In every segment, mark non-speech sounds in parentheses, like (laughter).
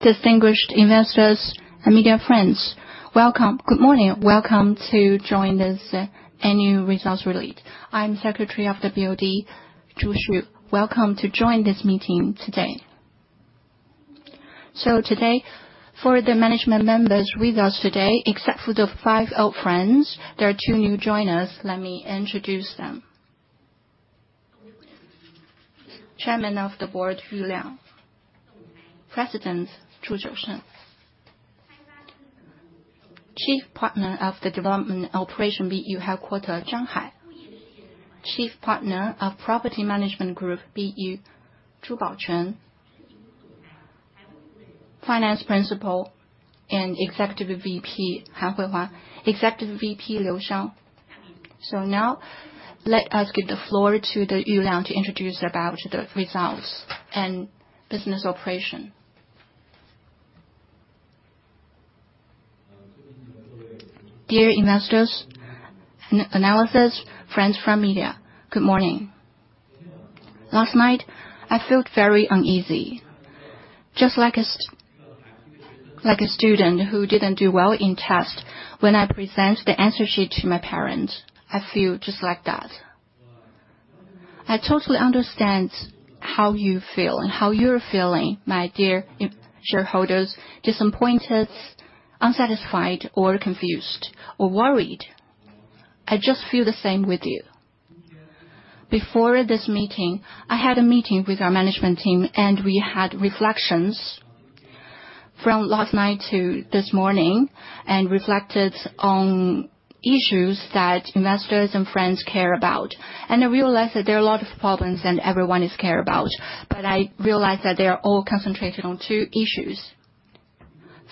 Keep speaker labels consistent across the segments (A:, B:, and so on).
A: Distinguished investors and media friends, welcome. Good morning. Welcome to join this annual results release. I'm Secretary of the BOD, Zhu Xu. Welcome to join this meeting today. Today, for the management members with us today, except for the five old friends, there are two new joiners. Let me introduce them. Chairman of the Board, Yu Liang. President, Zhu Jiusheng. Chief Partner of the Development and Operation BU Headquarters, Zhang Hai. Chief Partner of Property Management Group BU, Zhu Baoquan. Finance Principal and Executive VP, Han Huihua. Executive VP, Liu Xiao. Now, let us give the floor to Yu Liang to introduce about the results and business operation.
B: Dear investors, analysts, friends from media, good morning. Last night, I felt very uneasy. Just like a student who didn't do well in test, when I present the answer sheet to my parents, I feel just like that. I totally understand how you feel and how you're feeling, my dear shareholders, disappointed, unsatisfied, or confused, or worried. I just feel the same with you. Before this meeting, I had a meeting with our management team and we had reflections from last night to this morning and reflected on issues that investors and friends care about. I realized that there are a lot of problems that everyone is care about, but I realized that they are all concentrated on two issues.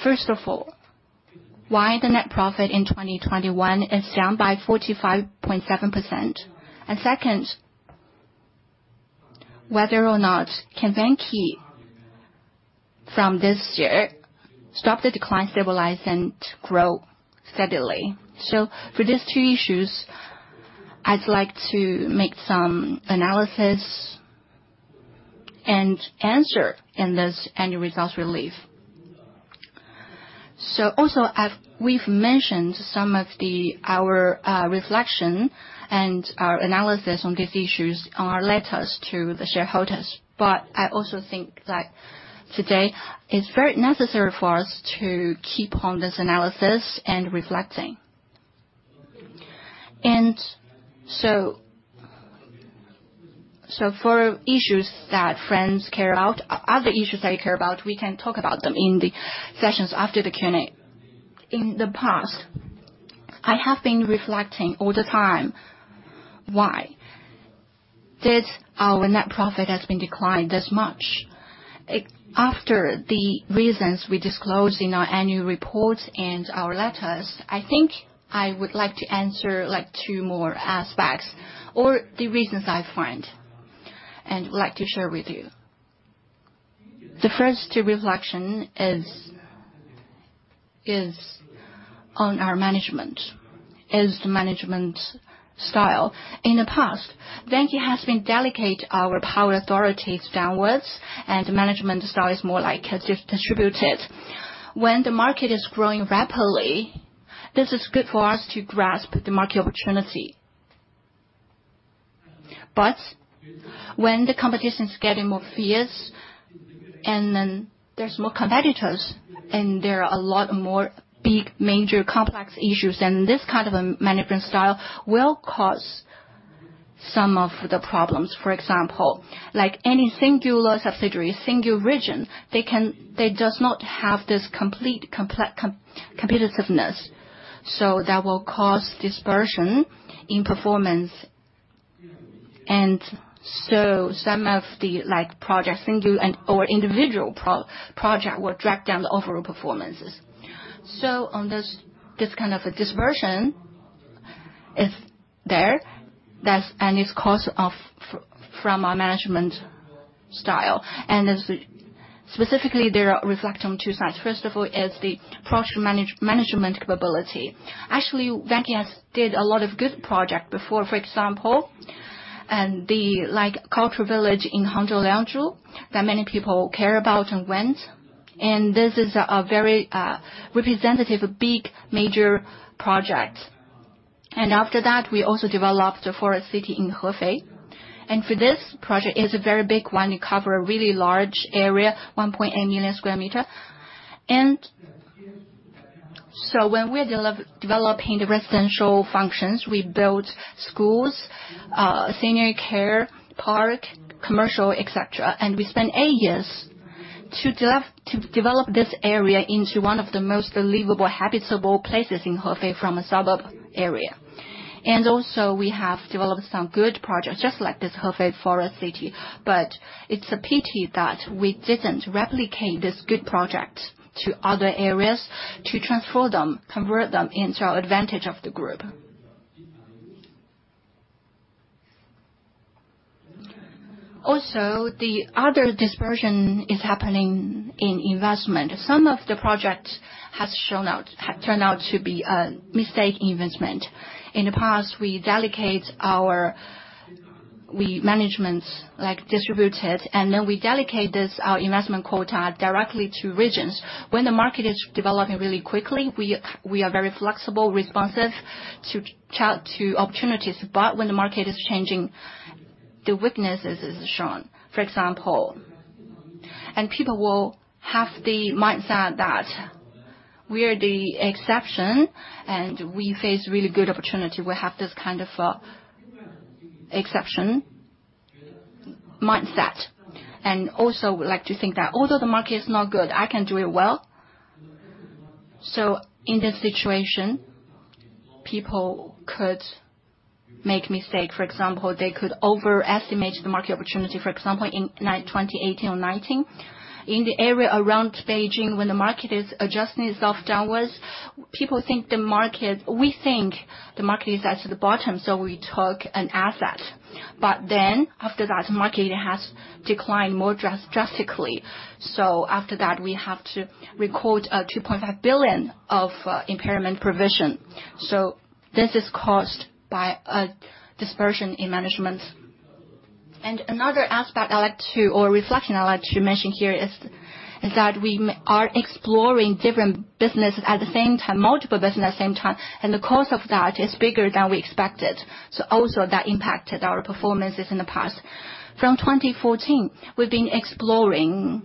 B: First of all, why the net profit in 2021 is down by 45.7%. Second, whether or not can Vanke from this year stop the decline, stabilize, and grow steadily. For these two issues, I'd like to make some analysis and answer in this annual results release. Also, we've mentioned some of our reflection and our analysis on these issues in our Letters to the Shareholders. I also think that today is very necessary for us to keep on this analysis and reflecting. For issues that friends care about, other issues they care about, we can talk about them in the sessions after the Q&A. In the past, I have been reflecting all the time why our net profit has been declined this much. After the reasons we disclosed in our Annual Report and our letters, I think I would like to answer like two more aspects or the reasons I find and would like to share with you. The first reflection is on our management, the management style. In the past, Vanke has been delegate our power authorities downwards, and management style is more like distributed. When the market is growing rapidly, this is good for us to grasp the market opportunity. When the competition is getting more fierce, and then there's more competitors, and there are a lot more big, major, complex issues, and this kind of a management style will cause some of the problems. For example, like any singular subsidiary, singular region, they does not have this complete competitiveness. That will cause dispersion in performance. Some of the like project singular and/or individual project will drag down the overall performances. On this kind of a dispersion is there. That's, and it's caused from our management style. As specifically, they reflect on two sides. First of all is the project management capability. Actually, Vanke has did a lot of good project before. For example, the like culture village in Hangzhou, Liangzhu, that many people care about and went. This is a very representative, big major project. After that, we also developed the Forest City in Hefei. For this project is a very big one. It covers a really large area, 1.8 million sq m. When we're developing the residential functions, we built schools, senior care, park, commercial, etc. We spent eight years to develop this area into one of the most livable, habitable places in Hefei from a suburb area. We have developed some good projects just like this Hefei Vanke Forest Park. It's a pity that we didn't replicate this good project to other areas to transfer them, convert them into advantage of the group. Also, the other dispersion is happening in investment. Some of the project has turned out to be a mistake investment. In the past, we delegate our management like distribute it, and then we dedicate this, our investment quota directly to regions. When the market is developing really quickly, we are very flexible, responsive to opportunities. When the market is changing, the weaknesses is shown, for example. People will have the mindset that we are the exception, and we face really good opportunity. We have this kind of exception mindset, and also like to think that although the market is not good, I can do it well. In this situation, people could make mistake. For example, they could overestimate the market opportunity. For example, in 2018 or 2019, in the area around Beijing when the market is adjusting itself downwards, people think the market. We think the market is at the bottom, so we took an asset. But then after that, market has declined more drastically. After that, we have to record 2.5 billion of impairment provision. This is caused by a dispersion in management. Another aspect or reflection I'd like to mention here is that we are exploring different business at the same time, and the cost of that is bigger than we expected. Also that impacted our performances in the past. From 2014, we've been exploring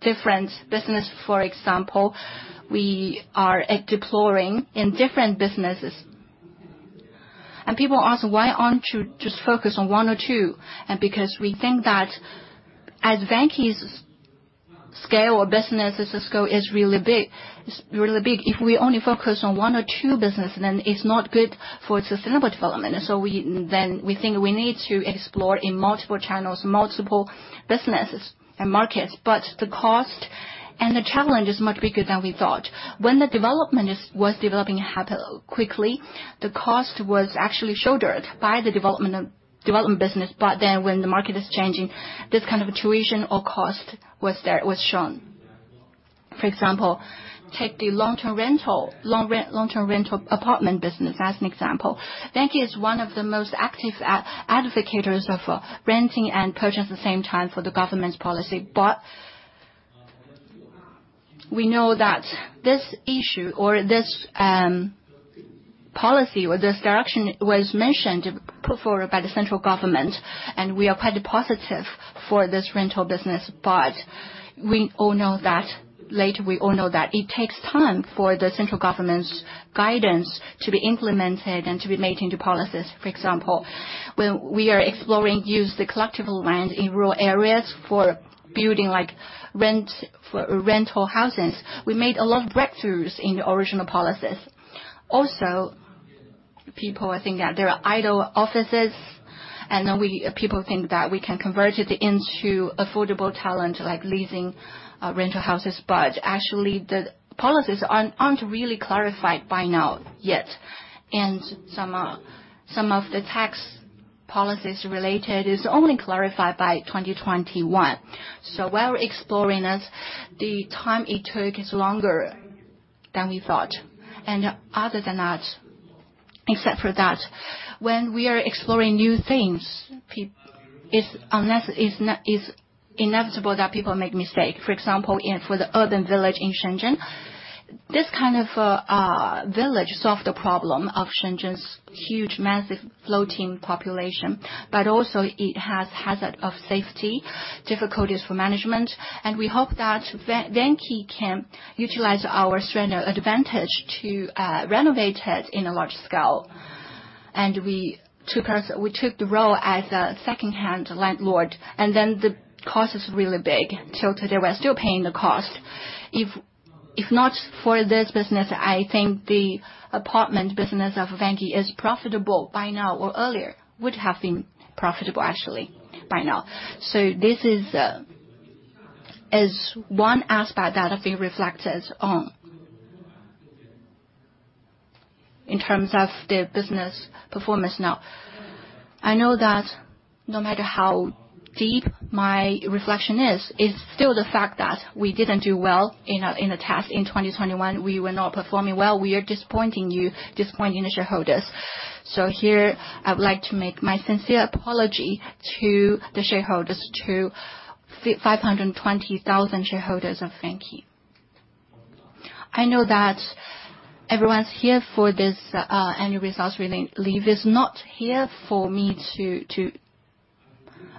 B: different business. For example, we are exploring in different businesses. People ask, "Why aren't you just focused on one or two?" Because we think that as Vanke's scale or business' scope is really big, if we only focus on one or two business, then it's not good for sustainable development. We think we need to explore in multiple channels, multiple businesses and markets. The cost and the challenge is much bigger than we thought. When the development was developing quickly, the cost was actually shouldered by the development business. When the market is changing, this kind of attrition or cost was shown. For example, take the long-term rental apartment business as an example. Vanke is one of the most active advocates of renting and purchase the same time for the government's policy. We know that this issue or this policy or this direction was put forward by the central government, and we are quite positive for this rental business. We all know that it takes time for the central government's guidance to be implemented and to be made into policies. For example, when we are exploring the use of collective land in rural areas for building rental houses, we made a lot of breakthroughs in the original policies. Also, people think that there are idle offices, and people think that we can convert it into affordable talent leasing rental houses. Actually, the policies aren't really clarified by now yet. Some of the tax policies related is only clarified by 2021. While we're exploring this, the time it took is longer than we thought. Other than that, except for that, when we are exploring new things, it's inevitable that people make mistake. For example, for the urban village in Shenzhen, this kind of village solved the problem of Shenzhen's huge, massive floating population, but also it has hazard of safety, difficulties for management. We hope that Vanke can utilize our strength advantage to renovate it in a large scale. We took the role as a secondhand landlord, and then the cost is really big. Till today, we're still paying the cost. If not for this business, I think the apartment business of Vanke is profitable by now, or earlier would have been profitable actually by now. This is one aspect that I think reflected on in terms of the business performance now. I know that no matter how deep my reflection is, it's still the fact that we didn't do well in 2021. We were not performing well. We are disappointing you, disappointing the shareholders. Here, I would like to make my sincere apology to the shareholders, to 520,000 shareholders of Vanke. I know that everyone's here for this annual results release, not here for me to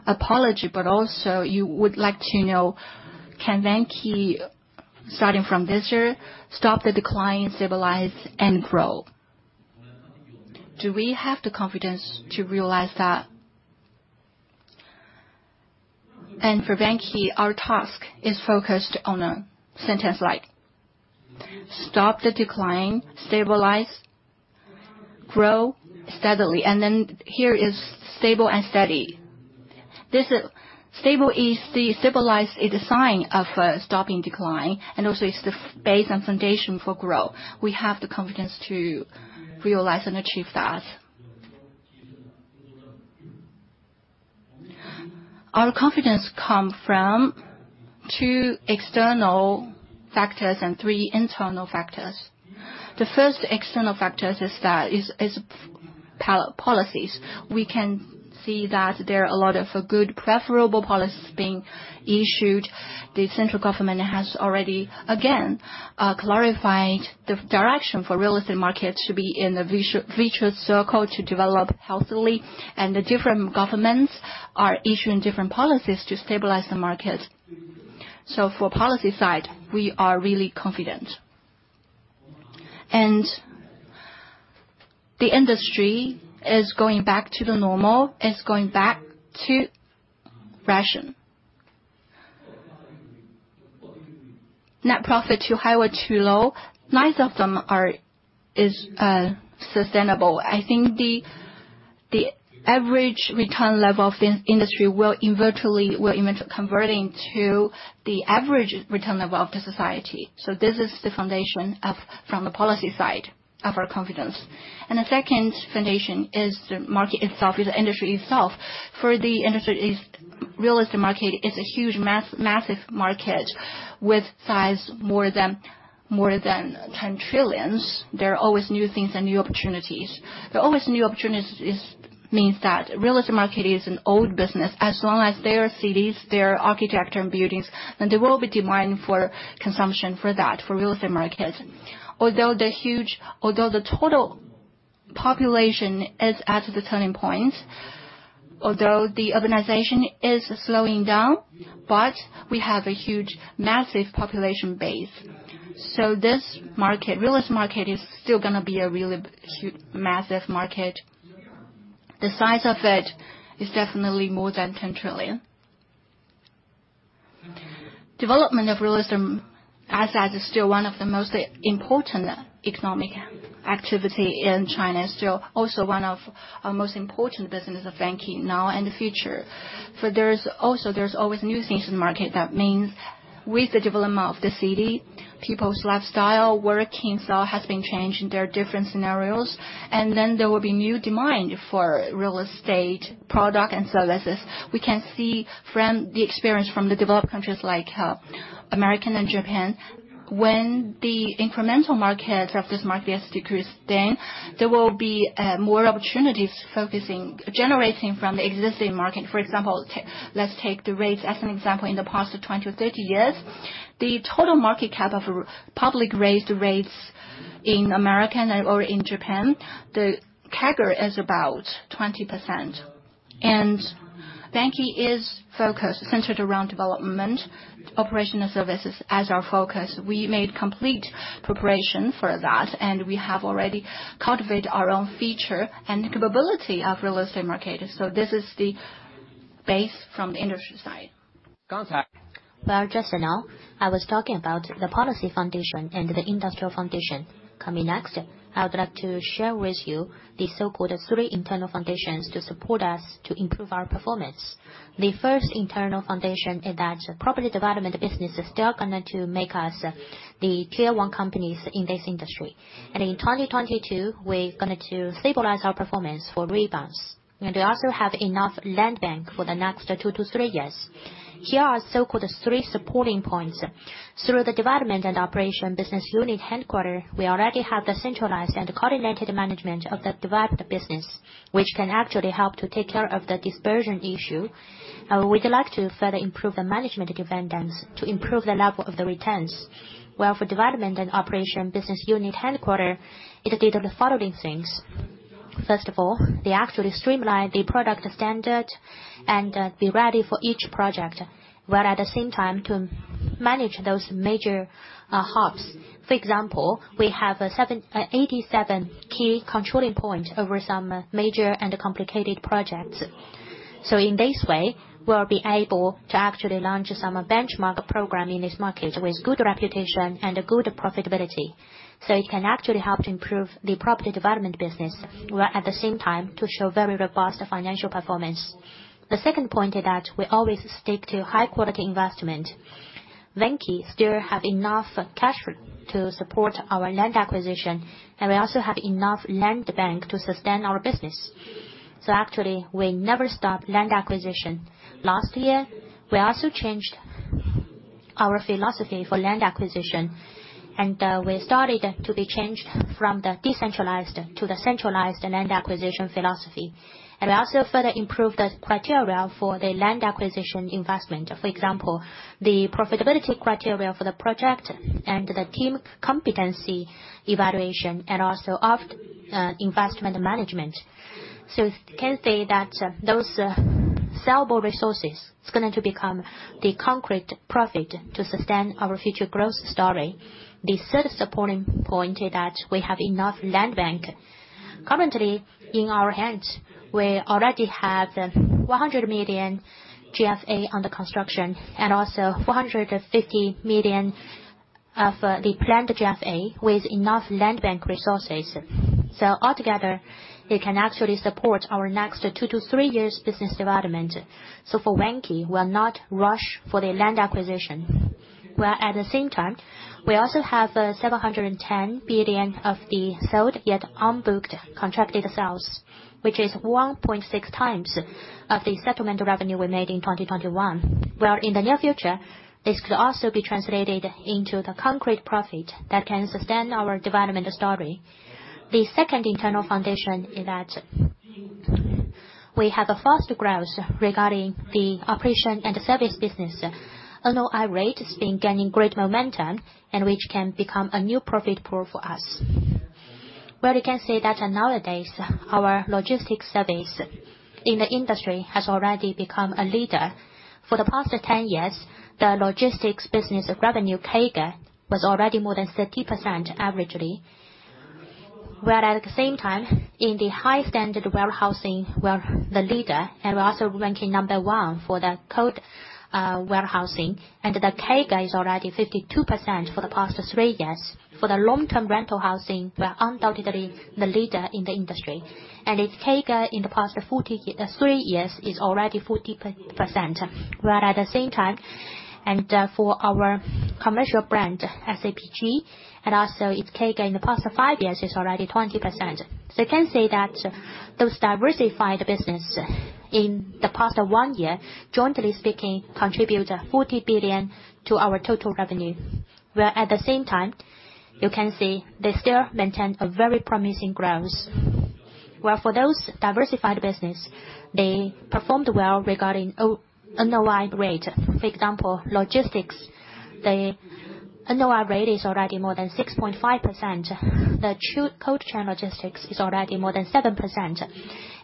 B: apologize, but also you would like to know, can Vanke, starting from this year, stop the decline, stabilize, and grow? Do we have the confidence to realize that? For Vanke, our task is focused on a sentence like, stop the decline, stabilize, grow steadily, and then here is stable and steady. Stabilization is a sign of stopping decline and also is the base and foundation for growth. We have the confidence to realize and achieve that. Our confidence come from two external factors and three internal factors. The first external factor is policies. We can see that there are a lot of good preferable policies being issued. The central government has already, again, clarified the direction for real estate market to be in a virtuous circle to develop healthily. The different governments are issuing different policies to stabilize the market. For policy side, we are really confident. The industry is going back to the normal, going back to rational. Net profit too high or too low, neither of them is sustainable. I think the average return level of the industry will eventually converge to the average return level of the society. This is the foundation of our confidence from the policy side. The second foundation is the market itself, the industry itself. The real estate market is a huge, massive market with size more than 10 trillion. There are always new things and new opportunities. There are always new opportunities means that real estate market is an old business. As long as there are cities, there are architecture and buildings, and there will be demand for consumption for that, for real estate market. Although the total population is at the turning point, although the urbanization is slowing down, but we have a huge, massive population base. This market, real estate market, is still gonna be a really huge, massive market. The size of it is definitely more than 10 trillion. Development of real estate assets is still one of the most important economic activity in China, still also one of our most important business of Vanke now and the future. For there's also always new things in the market. That means with the development of the city, people's lifestyle, working style has been changed, and there are different scenarios. Then there will be new demand for real estate product and services. We can see from the experience from the developed countries like America and Japan. When the incremental market of this market has decreased, then there will be more opportunities focusing, generating from the existing market. For example, let's take the REITs as an example. In the past 20-30 years, the total market cap of public raised REITs in America or in Japan. The CAGR is about 20%. Vanke is focused, centered around development, operational services as our focus. We made complete preparation for that, and we have already cultivate our own feature and capability of real estate market. This is the base from the industry side.
C: Contact.
B: Well, just now, I was talking about the policy foundation and the industrial foundation. Next, I would like to share with you the so-called three internal foundations to support us to improve our performance. The first internal foundation is that property development business is still going to make us the tier one companies in this industry. In 2022, we're going to stabilize our performance for rebounds. We also have enough land bank for the next two to three years. Here are so-called three supporting points. Through the Development and Operation Business Unit Headquarters, we already have the centralized and coordinated management of the development business, which can actually help to take care of the dispersion issue. We'd like to further improve the management dividends to improve the level of the returns. Well, for Development and Operation Business Unit Headquarters, it did the following things. First of all, they actually streamline the product standard and be ready for each project, while at the same time to manage those major hubs. For example, we have 87 key controlling points over some major and complicated projects. So in this way, we'll be able to actually launch some benchmark program in this market with good reputation and good profitability. So it can actually help to improve the property development business, while at the same time to show very robust financial performance. The second point is that we always stick to high-quality investment. Vanke still have enough cash to support our land acquisition, and we also have enough land bank to sustain our business. So actually, we never stop land acquisition. Last year, we also changed our philosophy for land acquisition, and we started to be changed from the decentralized to the centralized land acquisition philosophy. We also further improved the criteria for the land acquisition investment. For example, the profitability criteria for the project and the team competency evaluation and also our investment management. We can say that those sellable resources is going to become the concrete profit to sustain our future growth story. The third supporting point is that we have enough land bank. Currently, in our hand, we already have 100 million GFA under construction and also 450 million of the planned GFA with enough land bank resources. Altogether, it can actually support our next two to three years business development. For Vanke, we'll not rush for the land acquisition. Whereas at the same time, we also have 710 billion of the sold yet unbooked contracted sales, which is 1.6x of the settlement revenue we made in 2021. Whereas in the near future, this could also be translated into the concrete profit that can sustain our development story. The second internal foundation is that we have a faster growth regarding the operation and service business. NOI rate has been gaining great momentum and which can become a new profit pool for us. Well, you can say that nowadays, our logistics service in the industry has already become a leader. For the past 10 years, the logistics business revenue CAGR was already more than 30% averagely. At the same time, in the high-standard warehousing, we're the leader and we're also ranking number one for the cold warehousing, and the CAGR is already 52% for the past three years. For the long-term rental housing, we are undoubtedly the leader in the industry, and its CAGR in the past 43 years is already 40%. At the same time, for our commercial brand, SCPG, and also its CAGR in the past five years is already 20%. So you can say that those diversified business in the past one year, jointly speaking, contribute 40 billion to our total revenue. At the same time, you can see they still maintain a very promising growth. For those diversified business, they performed well regarding NOI rate. For example, logistics, the NOI rate is already more than 6.5%. The cold chain logistics is already more than 7%.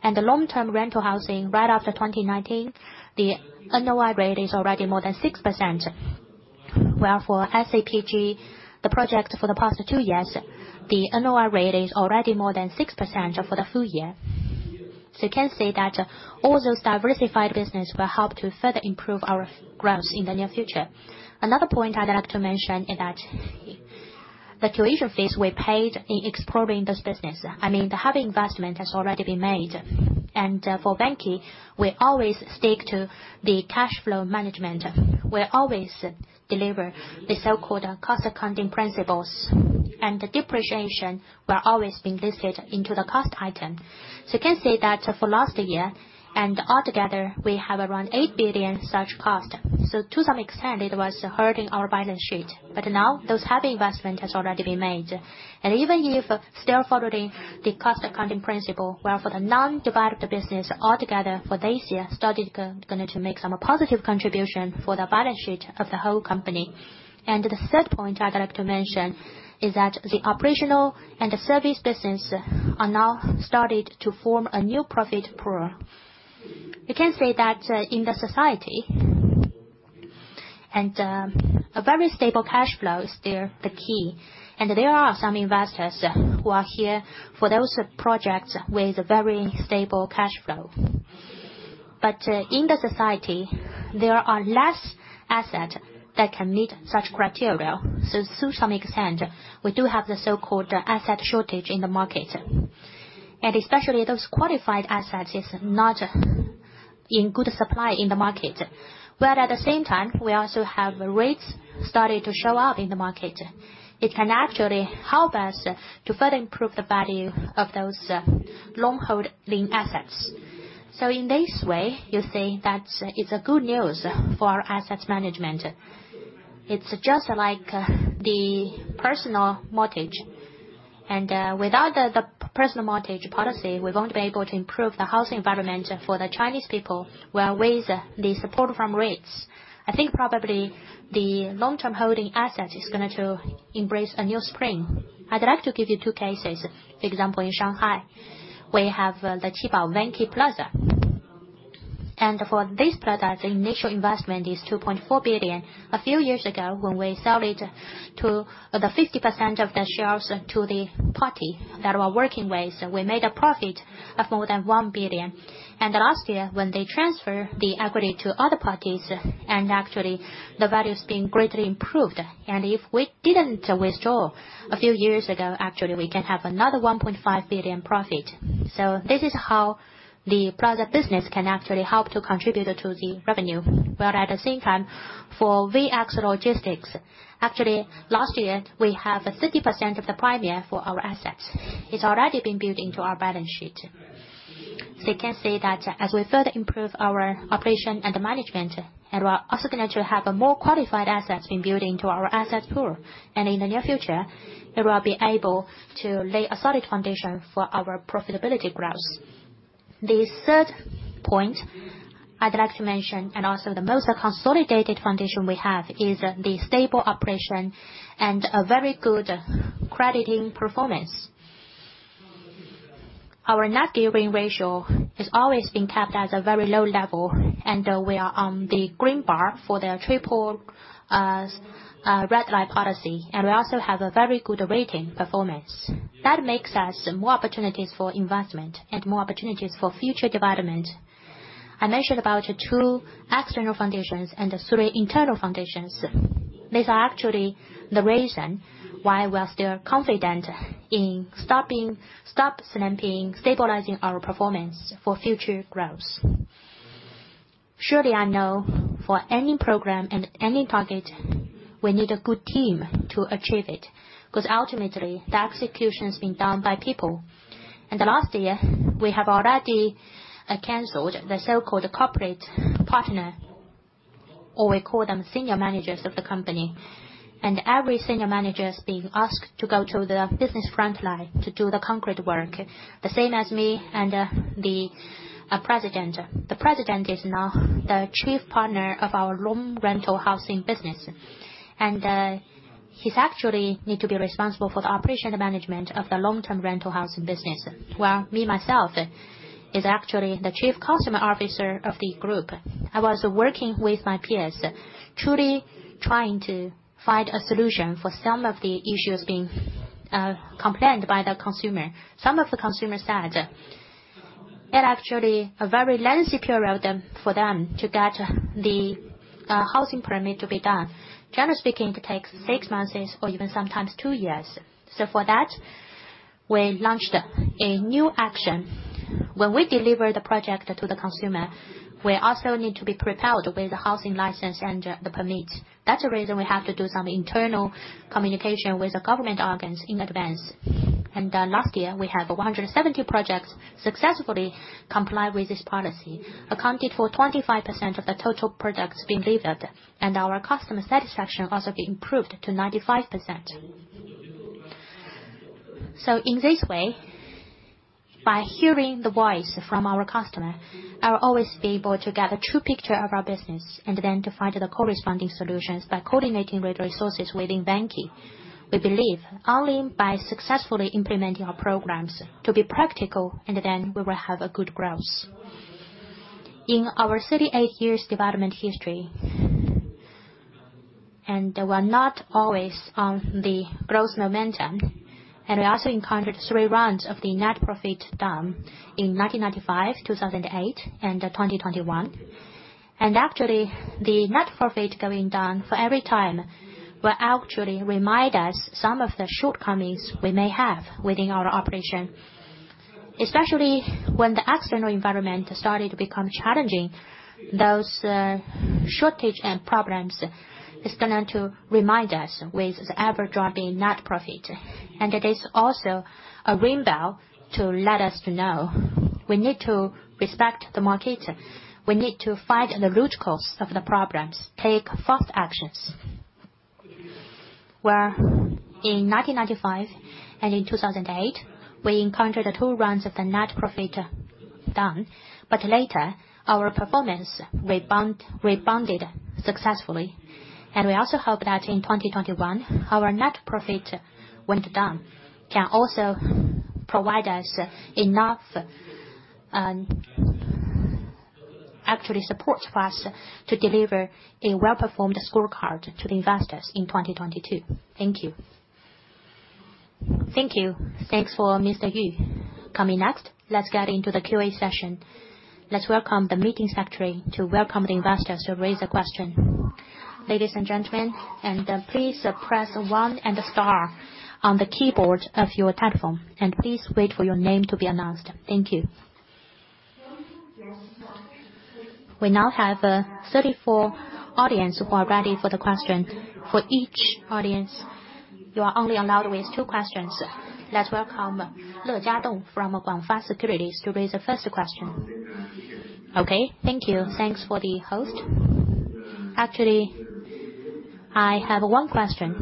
B: The long-term rental housing right after 2019, the NOI rate is already more than 6%. Where for SCPG, the project for the past two years, the NOI rate is already more than 6% for the full year. You can say that all those diversified business will help to further improve our growth in the near future. Another point I'd like to mention is that the tuition fees we paid in exploring this business, I mean, the heavy investment has already been made. For Vanke, we always stick to the cash flow management. We always deliver the so-called cost accounting principles, and the depreciation will always be listed into the cost item. You can say that for last year and altogether, we have around 8 billion such cost. To some extent, it was hurting our balance sheet, but now those heavy investment has already been made. Even if still following the cost accounting principle, where for the non-developed business altogether for this year started gonna to make some positive contribution for the balance sheet of the whole company. The third point I'd like to mention is that the operational and the service business are now started to form a new profit pool. You can say that in the society and a very stable cash flow is still the key. There are some investors who are here for those projects with a very stable cash flow. In the society, there are less asset that can meet such criteria. To some extent, we do have the so-called asset shortage in the market. Especially those qualified assets is not in good supply in the market. At the same time, we also have REITs starting to show up in the market. It can actually help us to further improve the value of those long-holding assets. In this way, you see that it's a good news for assets management. It's just like the personal mortgage. Without the personal mortgage policy, we won't be able to improve the housing environment for the Chinese people or with the support from REITs. I think probably the long-term holding asset is going to embrace a new spring. I'd like to give you two cases. For example, in Shanghai, we have the Qibao Vanke Plaza. For this product, the initial investment is 2.4 billion. A few years ago, when we sold it to the 50% of the shares to the party that we're working with, we made a profit of more than 1 billion. Last year, when they transferred the equity to other parties, actually the value is being greatly improved. If we didn't withdraw a few years ago, actually, we can have another 1.5 billion profit. This is how the property business can actually help to contribute to the revenue. At the same time, for VX Logistics, actually, last year, we have a 30% impairment for our assets. It's already been built into our balance sheet. You can say that as we further improve our operation and management, and we're also going to have a more qualified assets in building to our asset pool. In the near future, it will be able to lay a solid foundation for our profitability growth. The third point I'd like to mention, and also the most consolidated foundation we have, is the stable operation and a very good credit rating performance. Our net gearing ratio has always been kept at a very low level, and we are on the green bar for the three red lines policy, and we also have a very good credit rating performance. That makes us more opportunities for investment and more opportunities for future development. I mentioned about two external foundations and the three internal foundations. These are actually the reason why we are still confident in stop slumping, stabilizing our performance for future growth. Surely I know for any program and any target, we need a good team to achieve it, 'cause ultimately, the execution is being done by people. In the last year, we have already canceled the so-called corporate partner, or we call them senior managers of the company. Every senior manager is being asked to go to the business front line to do the concrete work. The same as me and the president. The president is now the chief partner of our long rental housing business. He's actually need to be responsible for the operational management of the long-term rental housing business. While me myself is actually the chief customer officer of the group. I was working with my peers, truly trying to find a solution for some of the issues being complained by the consumer. Some of the consumers said it actually a very lengthy period for them to get the housing permit to be done. Generally speaking, it takes six months or even sometimes two years. For that, we launched a new action. When we deliver the project to the consumer, we also need to be prepared with the housing license and the permits. That's the reason we have to do some internal communication with the government organs in advance. Last year, we have 170 projects successfully comply with this policy, accounted for 25% of the total products being delivered, and our customer satisfaction also being improved to 95%. In this way, by hearing the voice from our customer, I'll always be able to get a true picture of our business and then to find the corresponding solutions by coordinating with resources within Vanke. We believe only by successfully implementing our programs to be practical, and then we will have a good growth. In our 38 years development history, we're not always on the growth momentum, and we also encountered three rounds of the net profit down in 1995, 2008, and 2021. Actually, the net profit going down for every time will actually remind us some of the shortcomings we may have within our operation. Especially when the external environment started to become challenging, those shortcomings and problems are going to remind us with the ever-dropping net profit. It is also a ringing bell to let us know we need to respect the market. We need to find the root cause of the problems, take fast actions. In 1995 and in 2008, we encountered two rounds of the net profit down. Later, our performance rebounded successfully. We also hope that in 2021, our net profit went down, can also provide us enough. Actually, support for us to deliver a well-performed scorecard to the investors in 2022. Thank you.
A: Thank you. Thanks for Mr. Yu. Coming next, let's get into the Q&A session. Let's welcome the meeting secretary to welcome the investors to raise the question. Ladies and gentlemen, and, please press one and star on the keyboard of your telephone, and please wait for your name to be announced. Thank you. We now have 34 audience who are ready for the question. For each audience, you are only allowed with two questions. Let's welcome Le Jiadong from GF Securities to raise the first question.
D: Okay, thank you. Thanks for the host. Actually, I have one question.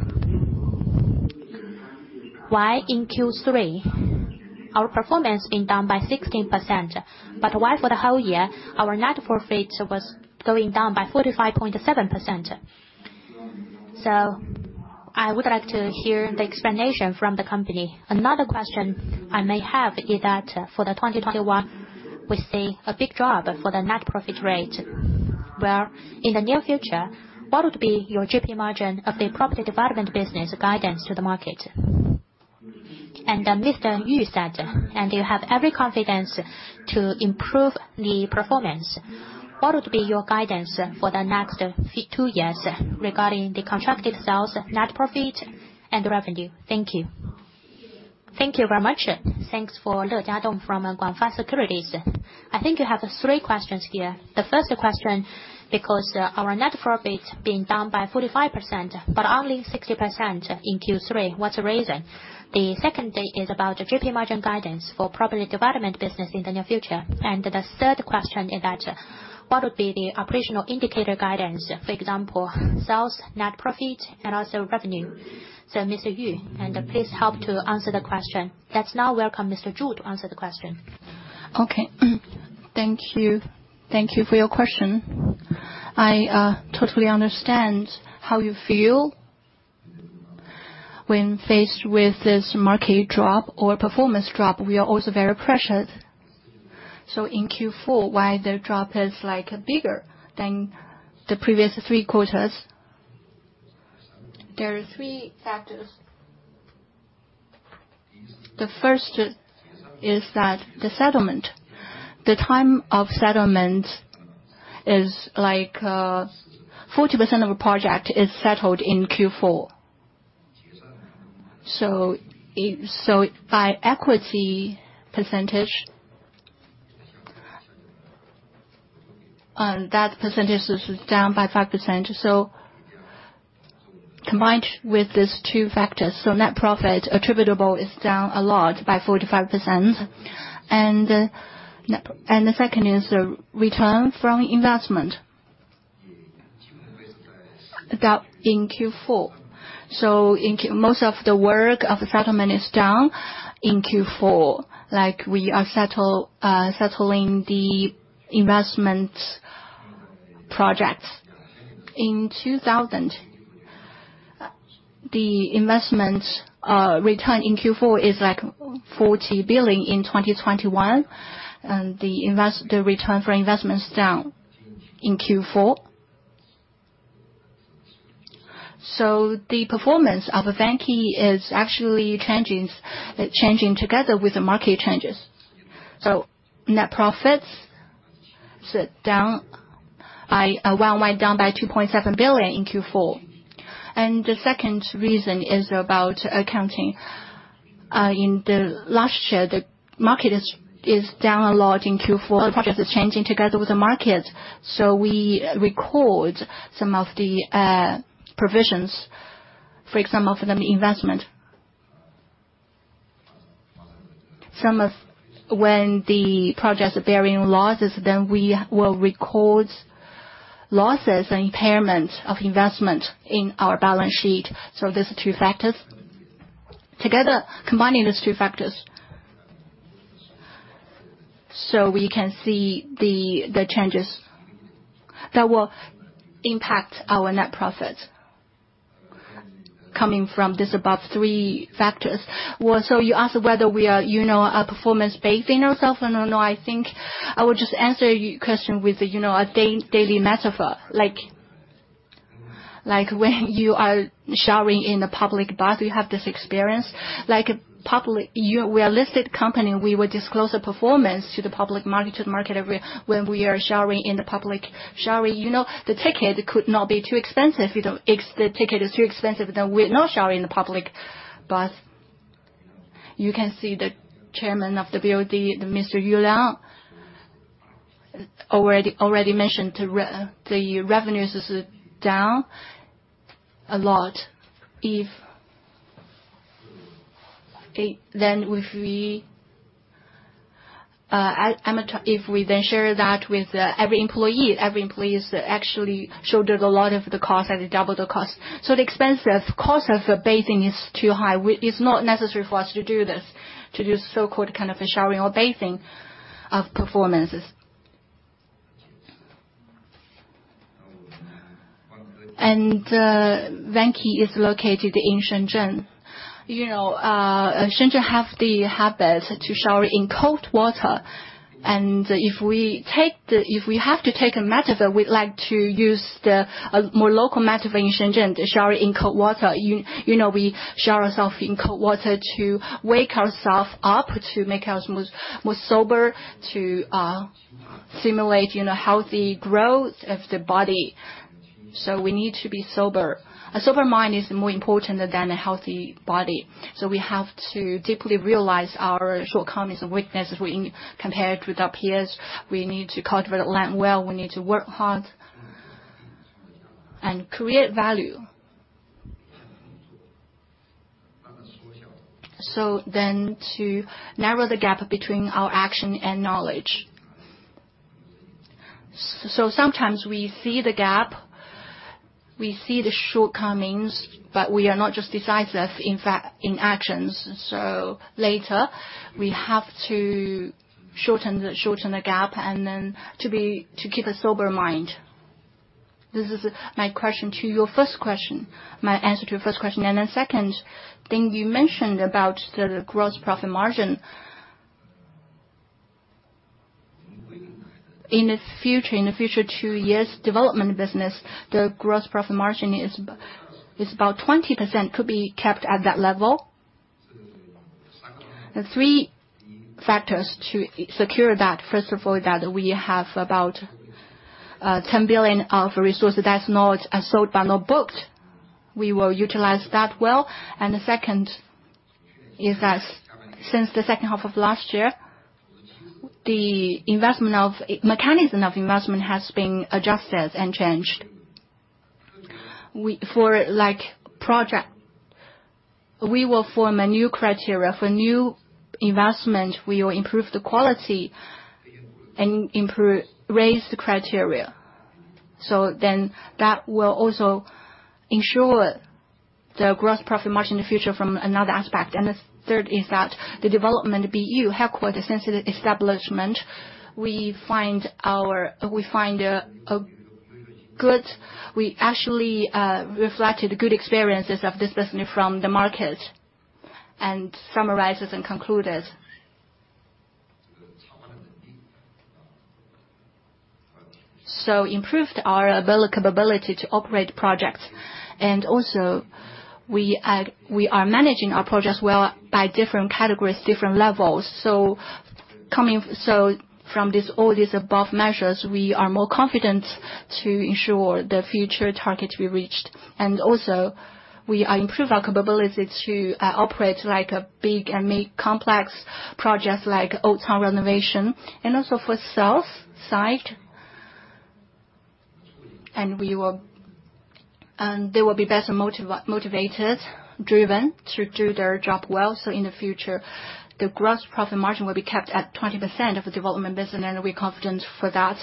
D: Why in Q3, our performance being down by 16%, but why for the whole year, our net profit was going down by 45.7%? I would like to hear the explanation from the company. Another question I may have is that, for 2021, we see a big drop for the net profit rate, where in the near future, what would be your GP margin of the property development business guidance to the market? Mr. Yu said, and you have every confidence to improve the performance. What would be your guidance for the next two years regarding the contracted sales, net profit, and revenue? Thank you.
A: Thank you very much. Thanks for Le Jiadong from GF Securities. I think you have three questions here. The first question, because our net profit being down by 45%, but only 60% in Q3. What's the reason? The second thing is about the GP margin guidance for property development business in the near future. The third question is that, what would be the operational indicator guidance, for example, sales, net profit, and also revenue? Mr. Yu, please help to answer the question. Let's now welcome Mr. Zhu to answer the question.
E: Okay. Thank you. Thank you for your question. I totally understand how you feel when faced with this market drop or performance drop. We are also very pressured. In Q4, why the drop is like bigger than the previous three quarters? There are three factors. The first is that the settlement. The time of settlement is like 40% of a project is settled in Q4. By equity percentage, and that percentage is down by 5%. Combined with these two factors, net profit attributable is down a lot, by 45%. The second is the return from investment about in Q4. In Q4 most of the work of the settlement is done in Q4. Like we are settling the investment projects. In 2020, the investment return in Q4 is like 40 billion in 2021, and the return for investment is down in Q4. The performance of Vanke is actually changing together with the market changes. Net profits went down by 2.7 billion in Q4. The second reason is about accounting. In the last year, the market is down a lot in Q4. The product is changing together with the market, so we record some of the provisions, for example, from the investment. Some of when the projects are bearing losses, then we will record losses and impairment of investment in our balance sheet. There are the two factors. Together, combining these two factors, we can see the changes that will impact our net profits coming from these above three factors. You asked whether we are, you know, performance bathing ourselves. No, I think I would just answer your question with, you know, a daily metaphor. Like when you are showering in a public bath, you have this experience. We are listed company, we will disclose the performance to the public market, to the market every. When we are showering in the public shower, you know, the ticket could not be too expensive. You know, if the ticket is too expensive, then we're not showering in the public. You can see the Chairman of the BOD, Mr. Yu Liang, already mentioned the revenues is down a lot. Then if we, I'm at a. If we then share that with every employee, every employee is actually shouldered a lot of the cost, and they double the cost. The expenses, cost of bathing is too high. It's not necessary for us to do this, to do so-called kind of a showering or bathing of performances. Vanke is located in Shenzhen. You know, Shenzhen have the habit to shower in cold water. If we have to take a metaphor, we'd like to use the more local metaphor in Shenzhen to shower in cold water. You know, we shower ourselves in cold water to wake ourselves up, to make us more sober, to stimulate, you know, healthy growth of the body. We need to be sober. A sober mind is more important than a healthy body. We have to deeply realize our shortcomings and weaknesses when compared with our peers. We need to cultivate land well. We need to work hard and create value to narrow the gap between our action and knowledge. Sometimes we see the gap, we see the shortcomings, but we are not just decisive in actions. Later, we have to shorten the gap, and then to keep a sober mind. This is my answer to your first question. Second, you mentioned about the gross profit margin. In the future two years development business, the gross profit margin is about 20% could be kept at that level. There are three factors to secure that. First of all, we have about 10 billion of resources that's not sold but not booked. We will utilize that well. The second is that since the second half of last year, the mechanism of investment has been adjusted and changed. For like project, we will form a new criteria. For new investment, we will improve the quality and raise the criteria. That will also ensure the gross profit margin in the future from another aspect. The third is that the Development BU Headquarters since the establishment, we actually reflected good experiences of this business from the market and summarized and concluded. Improved our capability to operate projects. We are managing our projects well by different categories, different levels. From this, all this above measures, we are more confident to ensure the future target we reached. Also, we are improving our capability to operate large and make complex projects like old town renovation and also for sales side. They will be better motivated, driven to do their job well. In the future, the gross profit margin will be kept at 20% of the development business, and we're confident for that.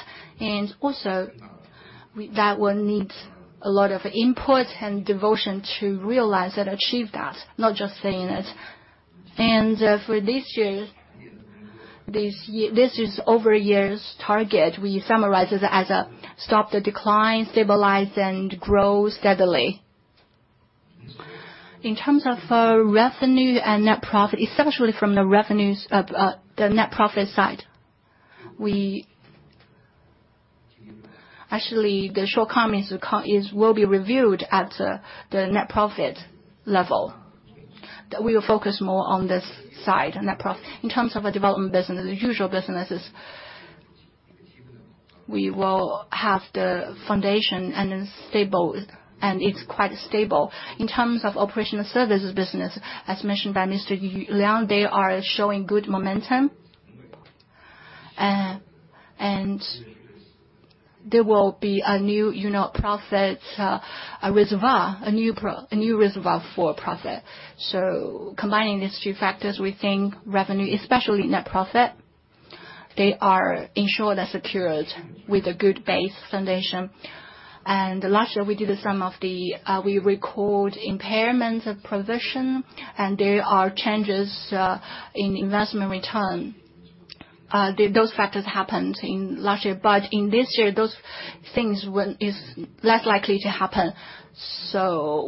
E: That will need a lot of input and devotion to realize and achieve that, not just saying it. For this year, this is our five-year target, we summarize it as stop the decline, stabilize and grow steadily. In terms of revenue and net profit, especially from the net profit side, we... Actually, the shortcomings will be reviewed at the net profit level. We will focus more on this side, net profit. In terms of the development business, the usual businesses, we will have the foundation and then stable, and it's quite stable. In terms of operational services business, as mentioned by Mr. Yu Liang, they are showing good momentum. There will be a new, you know, profit reservoir. Combining these two factors, we think revenue, especially net profit, they are ensured and secured with a good base foundation. Last year, we did some of the we record impairments provision, and there are changes in investment return. Those factors happened in last year. In this year, those things is less likely to happen.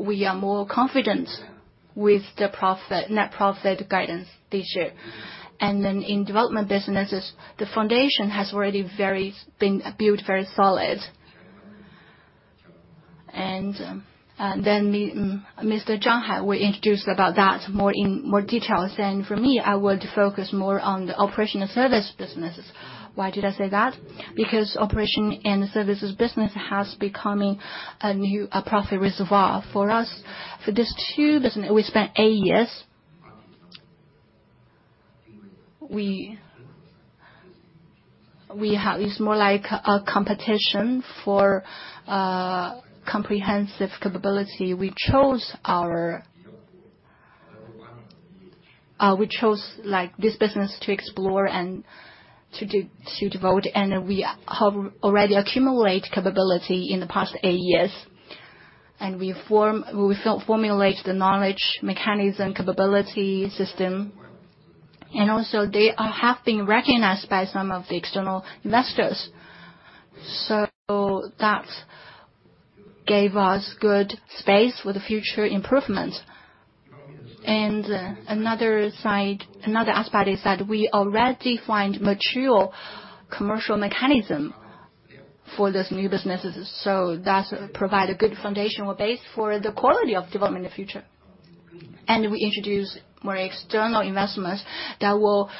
E: We are more confident with the profit, net profit guidance this year. In development businesses, the foundation has already been built very solid. Mr. Zhang will introduce about that more in more details. For me, I would focus more on the operational service businesses. Why did I say that? Because operation and services business has become a new profit reservoir for us. For these two businesses, we spent eight years. It's more like a competition for comprehensive capability. We chose, like, this business to explore and to devote, and we have already accumulated capability in the past eight years. We formulate the knowledge, mechanism, capability system. Also, they have been recognized by some of the external investors. That gave us good space for the future improvement. Another side, another aspect is that we already find mature commercial mechanism for these new businesses. That provide a good foundational base for the quality of development in the future. We introduce more external investments that will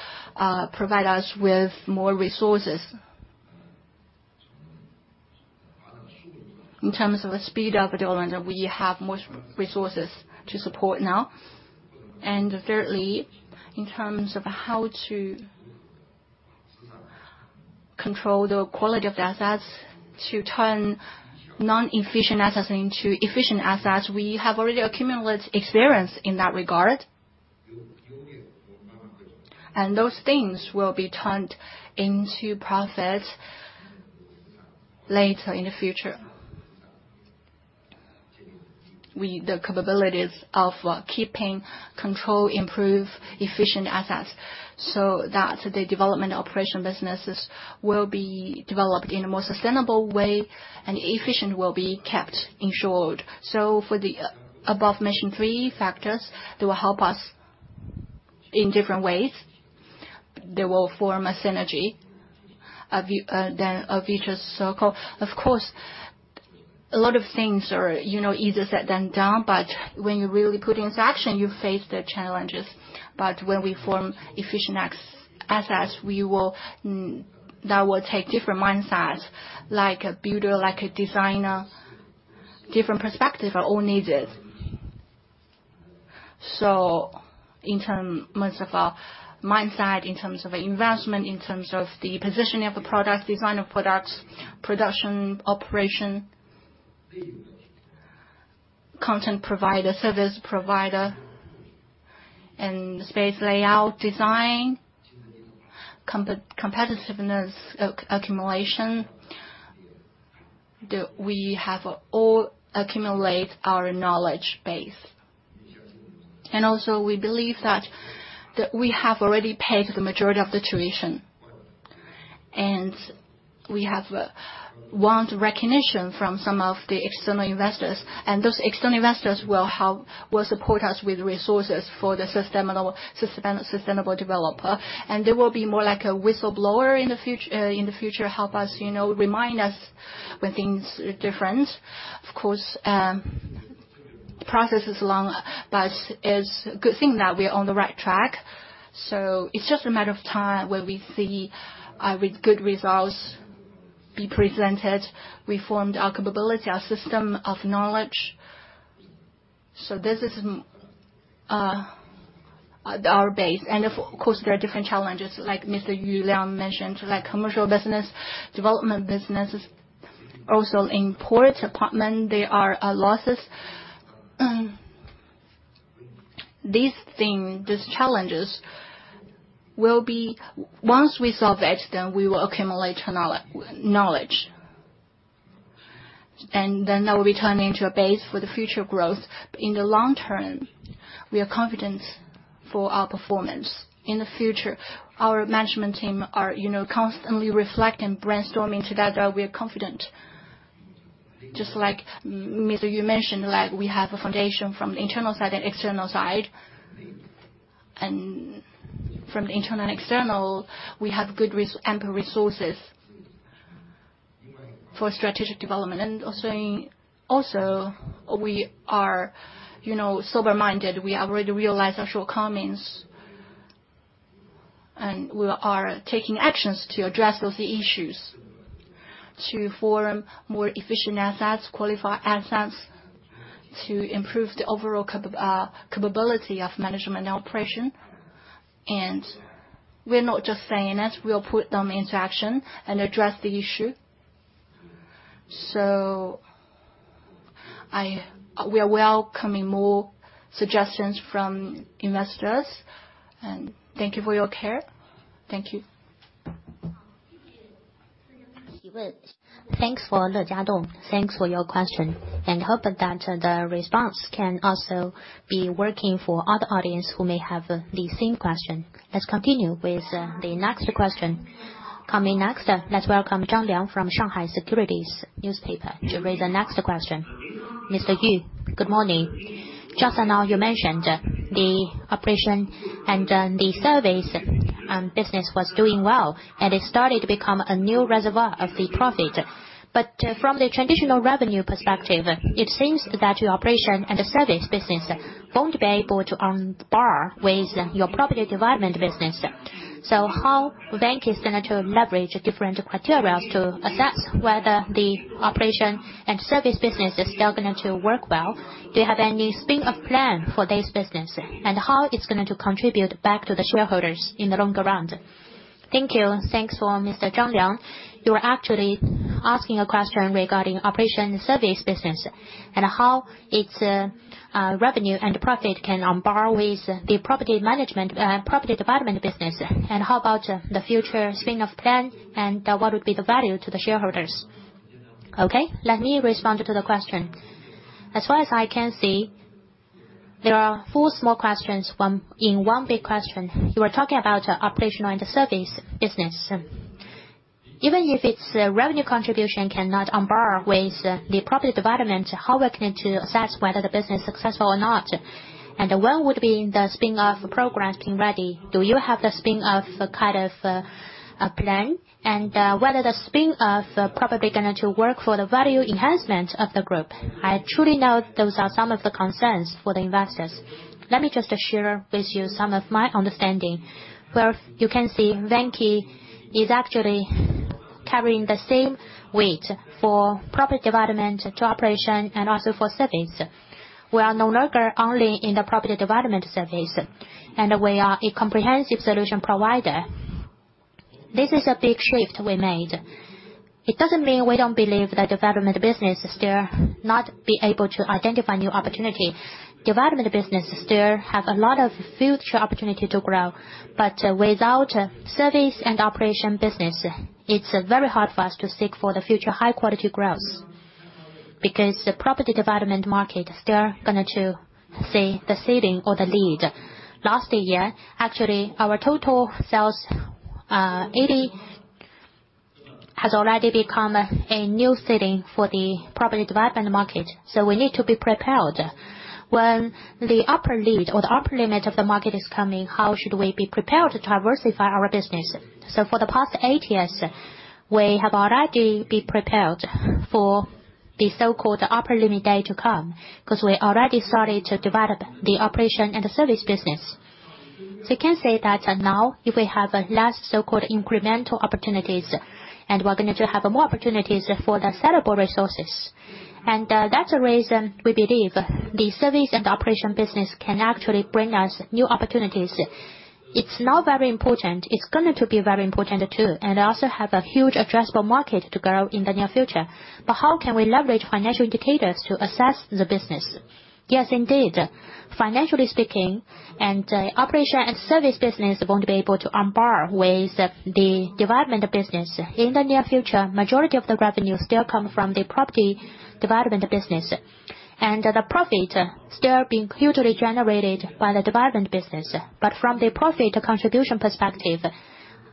E: provide us with more resources. In terms of the speed of development, we have more resources to support now. Thirdly, in terms of how to control the quality of the assets to turn non-efficient assets into efficient assets, we have already accumulated experience in that regard. Those things will be turned into profit later in the future. The capabilities of keeping control, improve efficient assets, so that the development operation businesses will be developed in a more sustainable way, and efficient will be kept ensured. For the above mentioned three factors, they will help us in different ways. They will form a synergy, a virtuous circle. Of course, a lot of things are, you know, easier said than done, but when you really put into action, you face the challenges. But when we form efficient assets, we will, that will take different mindsets, like a builder, like a designer. Different perspective are all needed. In terms of, mindset, in terms of investment, in terms of the positioning of the product, design of products, production, operation, content provider, service provider, and space layout design, competitiveness accumulation, we have all accumulate our knowledge base. also, we believe that we have already paid the majority of the tuition, and we have won recognition from some of the external investors, and those external investors will help, will support us with resources for the system and our sustainable development. They will be more like a whistleblower in the future, help us, you know, remind us when things are different. Of course, the process is long, but it's a good thing that we're on the right track. It's just a matter of time when we see with good results be presented. We formed our capability, our system of knowledge. This is our base. Of course, there are different challenges, like Mr. Yu Liang mentioned, like commercial business, development business. Also in rental apartments, there are losses. These things, these challenges will be. Once we solve it, then we will accumulate knowledge. That will be turned into a basis for the future growth. In the long term, we are confident for our performance. In the future, our management team are, you know, constantly reflect and brainstorming together. We are confident. Just like Mr. Yu mentioned, like we have a foundation from the internal side and external side. From the internal and external, we have good, ample resources for strategic development. We are, you know, sober-minded. We already realize our shortcomings, and we are taking actions to address those issues to form more efficient assets, qualified assets to improve the overall capability of management operation. We're not just saying that, we'll put them into action and address the issue. We are welcoming more suggestions from investors. Thank you for your care. Thank you.
A: Thanks for Le Jiadong. Thanks for your question, and hope that the response can also be working for other audience who may have the same question. Let's continue with the next question. Coming next, let's welcome Zhang Liang from Shanghai Securities News to raise the next question.
F: Mr. Yu, good morning. Just now, you mentioned the operation and the service and business was doing well, and it started to become a new reservoir of the profit. But from the traditional revenue perspective, it seems that your operation and the service business won't be able to on par with your property development business. So how Vanke is gonna leverage different metrics to assess whether the operation and service business is still gonna to work well? Do you have any spin-off plan for this business, and how it's gonna contribute back to the shareholders in the longer run? Thank you.
B: Thanks for Mr. Zhang Liang. You are actually asking a question regarding operation service business and how its revenue and profit can be on par with the property management, property development business. How about the future spin-off plan and what would be the value to the shareholders? Okay, let me respond to the question. As far as I can see, there are four small questions in one big question. You are talking about operation and the service business. Even if its revenue contribution cannot be on par with the property development, how we're going to assess whether the business successful or not? When would be the spin-off program being ready? Do you have the spin-off kind of a plan? Whether the spin-off probably gonna to work for the value enhancement of the group. I truly know those are some of the concerns for the investors. Let me just share with you some of my understanding. Where you can see Vanke is actually carrying the same weight for property development to operation and also for service. We are no longer only in the property development service, and we are a comprehensive solution provider. This is a big shift we made. It doesn't mean we don't believe the development business is still not able to identify new opportunity. Development business still have a lot of future opportunity to grow, but without service and operation business, it's very hard for us to seek for the future high-quality growth. Because the property development market still gonna to see the ceiling or the lid. Last year, actually, our total sales, 80% has already become a new ceiling for the property development market, so we need to be prepared. When the upper limit or the upper limit of the market is coming, how should we be prepared to diversify our business? For the past eight years, we have already been prepared for the so-called upper limit day to come, 'cause we already started to develop the operation and the service business. You can say that now, if we have less so-called incremental opportunities, and we're going to have more opportunities for the sellable resources. That's the reason we believe the service and operation business can actually bring us new opportunities. It's now very important. It's going to be very important too, and also have a huge addressable market to grow in the near future. How can we leverage financial indicators to assess the business? Yes, indeed. Financially speaking, operation and service business won't be able to on par with the development business. In the near future, majority of the revenue still come from the property development business. The profit still being hugely generated by the development business. From the profit contribution perspective,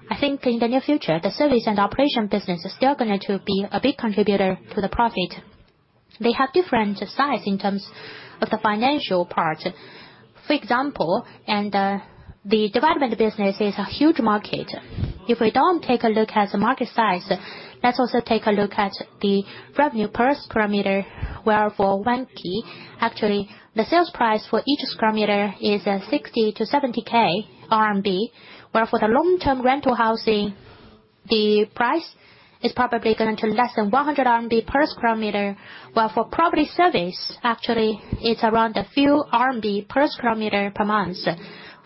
B: I think in the near future, the service and operation business is still going to be a big contributor to the profit. They have different size in terms of the financial part. For example, the development business is a huge market. If we don't take a look at the market size, let's also take a look at the revenue per square meter, where for Vanke, actually, the sales price for each square meter is 60,000-70,000 RMB. Whereas for the long-term rental housing, the price is probably going to less than 100 RMB per sq m. While for property service, actually, it's around a few CNY per square meters per month.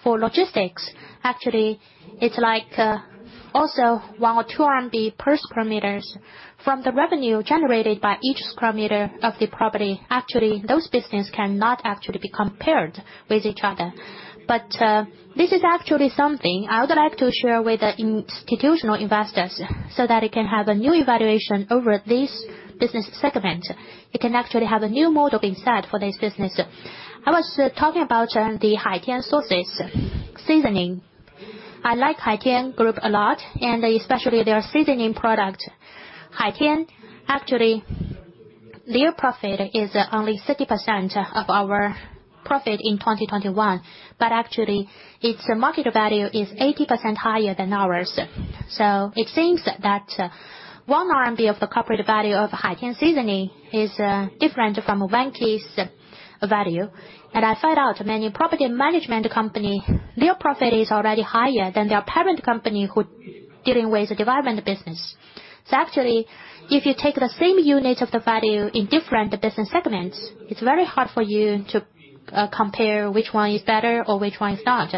B: For logistics, actually, it's like, also 1 or 2 RMB per square meter. From the revenue generated by each sq m of the property, actually, those business cannot actually be compared with each other. This is actually something I would like to share with the institutional investors so that it can have a new evaluation over this business segment. It can actually have a new model being set for this business. I was talking about the Haitian sauces, seasoning. I like Haitian Group a lot, and especially their seasoning product. Haitian, actually, their profit is only 30% of our profit in 2021, but actually, its market value is 80% higher than ours. It seems that 1 RMB of the corporate value of Haitian seasoning is different from Vanke's value. I found out many property management company, their profit is already higher than their parent company who dealing with the development business. Actually, if you take the same unit of the value in different business segments, it's very hard for you to compare which one is better or which one is not.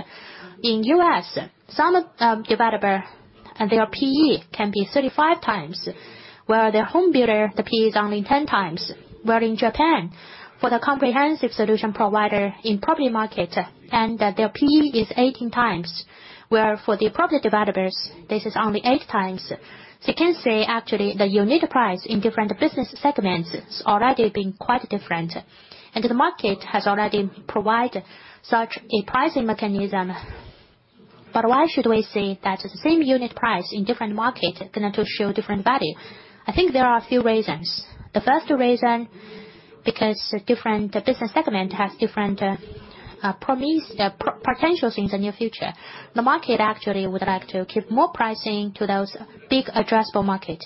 B: In U.S., some developer and their PE can be 35x, where their home builder, the PE is only 10x. In Japan, for the comprehensive solution provider in property market and their PE is 18x, where for the property developers, this is only 8x. You can say, actually, the unit price in different business segments is already been quite different, and the market has already provided such a pricing mechanism. Why should we say that the same unit price in different market going to show different value? I think there are a few reasons. The first reason, because different business segment has different potentials in the near future. The market actually would like to give more pricing to those big addressable market.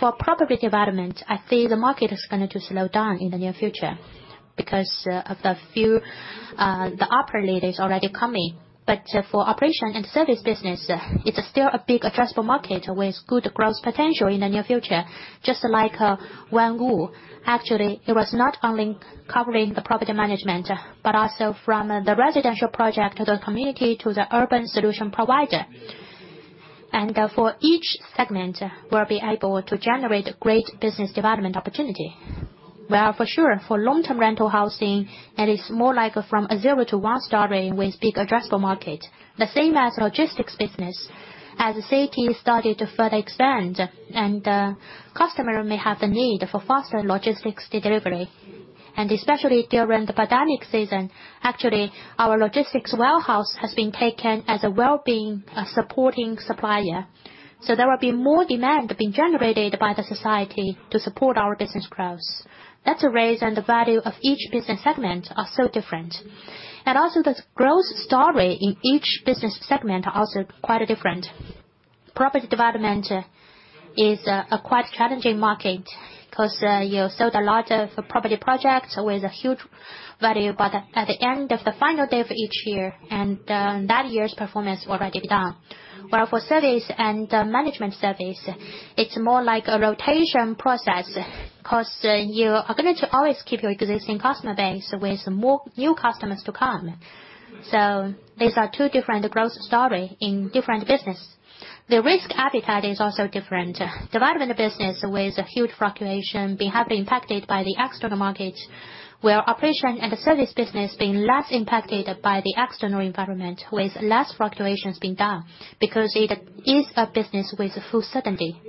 B: For property development, I think the market is going to slow down in the near future because of the few, the operator is already coming. For operation and service business, it is still a big addressable market with good growth potential in the near future. Just like Onewo. Actually, it was not only covering the property management, but also from the residential project to the community to the urban solution provider. Therefore, each segment will be able to generate great business development opportunity. Well, for sure, for long-term rental housing, it is more like from a zero to one story with big addressable market. The same as logistics business. As the city started to further expand and, customer may have the need for faster logistics delivery, and especially during the pandemic season. Actually, our logistics warehouse has been taken as a well-being, supporting supplier. So there will be more demand being generated by the society to support our business growth. That's the reason the value of each business segment are so different. Also, the growth story in each business segment are also quite different. Property development is a quite challenging market 'cause you sold a lot of property projects with a huge value, but at the end of the final day of each year and that year's performance already done. While for service and management service, it's more like a rotation process, 'cause you are going to always keep your existing customer base with more new customers to come. These are two different growth story in different business. The risk appetite is also different. Development business, with a huge fluctuation, be heavily impacted by the external market, where operation and the service business being less impacted by the external environment, with less fluctuations being done because it is a business with full certainty.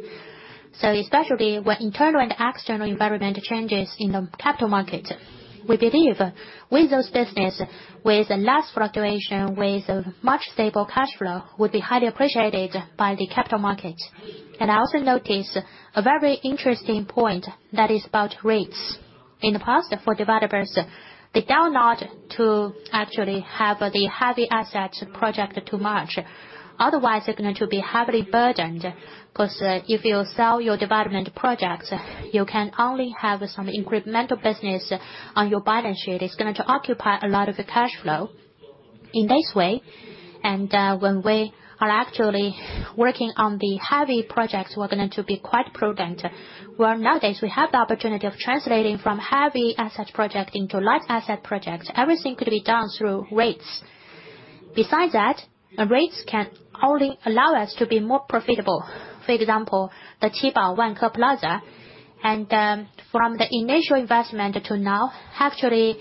B: Especially when internal and external environment changes in the capital market, we believe with those business, with less fluctuation, with much stable cash flow, would be highly appreciated by the capital market. I also notice a very interesting point that is about REITs. In the past, for developers, they dare not to actually have the heavy asset project too much. Otherwise, they're going to be heavily burdened, 'cause if you sell your development projects, you can only have some incremental business on your balance sheet. It's going to occupy a lot of cash flow in this way. When we are actually working on the heavy projects, we're going to be quite prudent. Well, nowadays, we have the opportunity of translating from heavy asset project into light asset project. Everything could be done through REITs. Besides that, REITs can only allow us to be more profitable. For example, the Qibao Vanke Plaza. From the initial investment to now, actually,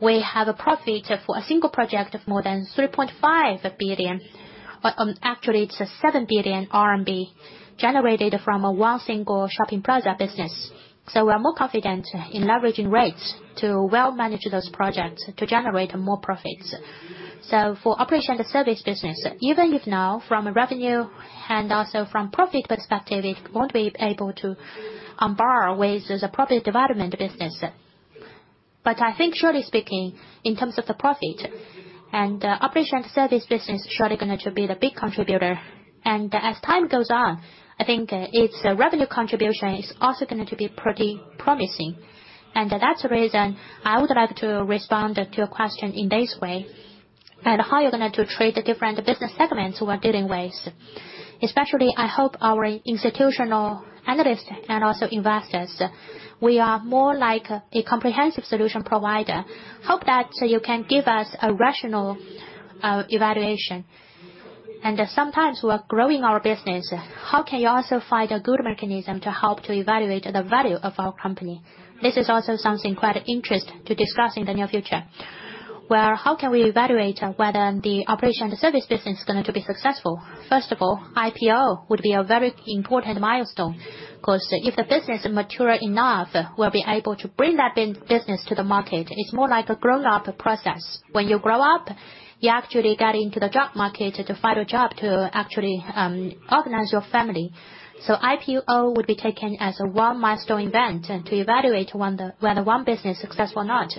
B: we have a profit for a single project of more than 3.5 billion. Actually, it's 7 billion RMB generated from one single shopping plaza business. We are more confident in leveraging REITs to well manage those projects to generate more profits. For operation and service business, even if now from a revenue and also from profit perspective, it won't be able to borrow with the property development business. I think shortly speaking, in terms of the profit and operation service business shortly gonna to be the big contributor. As time goes on, I think its revenue contribution is also gonna be pretty promising. That's the reason I would like to respond to your question in this way. That's how you're going to treat the different business segments we're dealing with. Especially, I hope our institutional analysts and also investors, we are more like a comprehensive solution provider. Hope that you can give us a rational evaluation. Sometimes we're growing our business, how can you also find a good mechanism to help evaluate the value of our company? This is also something quite interesting to discuss in the near future. How can we evaluate whether the operation and service business is going to be successful? First of all, IPO would be a very important milestone, 'cause if the business is mature enough, we'll be able to bring that business to the market. It's more like a grown-up process. When you grow up, you actually get into the job market to find a job to actually organize your family. IPO would be taken as one milestone event, and to evaluate whether one business success or not.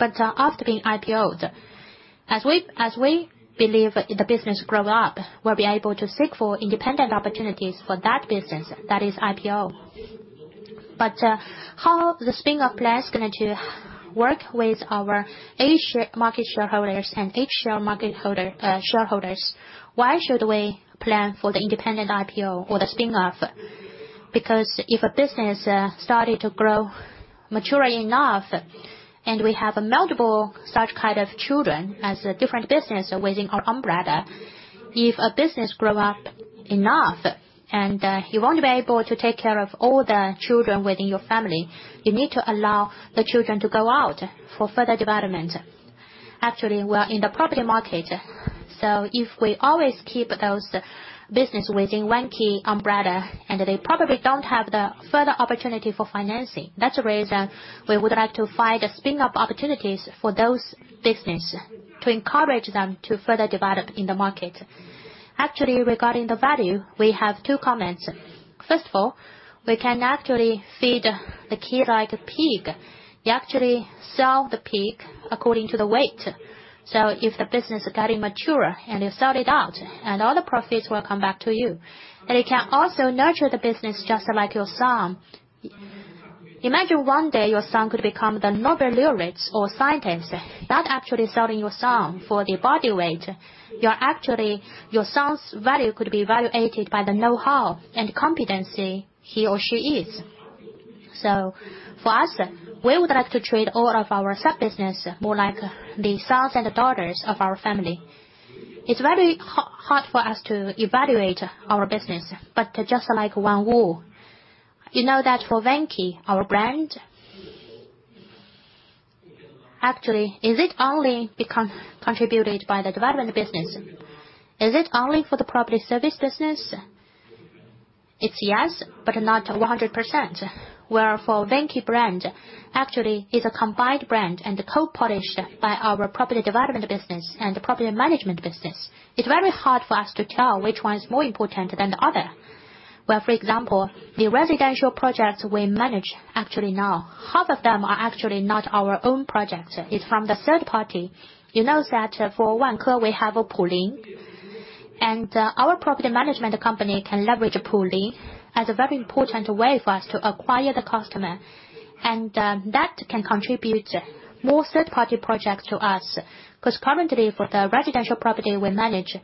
B: After being IPO'd, as we believe the business grow up, we'll be able to seek for independent opportunities for that business. That is IPO. How the spin-off plan is going to work with our A-share market shareholders and H-share market shareholders? Why should we plan for the independent IPO or the spin-off? Because if a business started to grow mature enough, and we have multiple such kind of children as a different business within our umbrella, if a business grow up enough, you won't be able to take care of all the children within your family, you need to allow the children to go out for further development. Actually, we're in the property market. If we always keep those business within one key umbrella, and they probably don't have the further opportunity for financing, that's the reason we would like to find spin-off opportunities for those business, to encourage them to further develop in the market. Actually, regarding the value, we have two comments. First of all, we can actually feed the kid like a pig. You actually sell the pig according to the weight. If the business is getting mature, and you sell it out, and all the profits will come back to you. It can also nurture the business just like your son. Imagine one day, your son could become the Nobel laureate or scientist, not actually selling your son for the body weight. Your son's value could be evaluated by the know-how and competency he or she is. For us, we would like to treat all of our sub-business more like the sons and daughters of our family. It's very hard for us to evaluate our business. Just like one whole, you know that for Vanke, our brand. Actually, is it only contributed by the development business? Is it only for the property service business? It's yes, but not 100%. Where for Vanke brand, actually, is a combined brand and co-polished by our property development business and property management business. It's very hard for us to tell which one is more important than the other. Well, for example, the residential projects we manage actually now, half of them are actually not our own projects. It's from the third party. You know that, for Vanke, we have a pooling. Our property management company can leverage pooling as a very important way for us to acquire the customer. That can contribute more third-party projects to us. 'Cause currently, for the residential property we manage,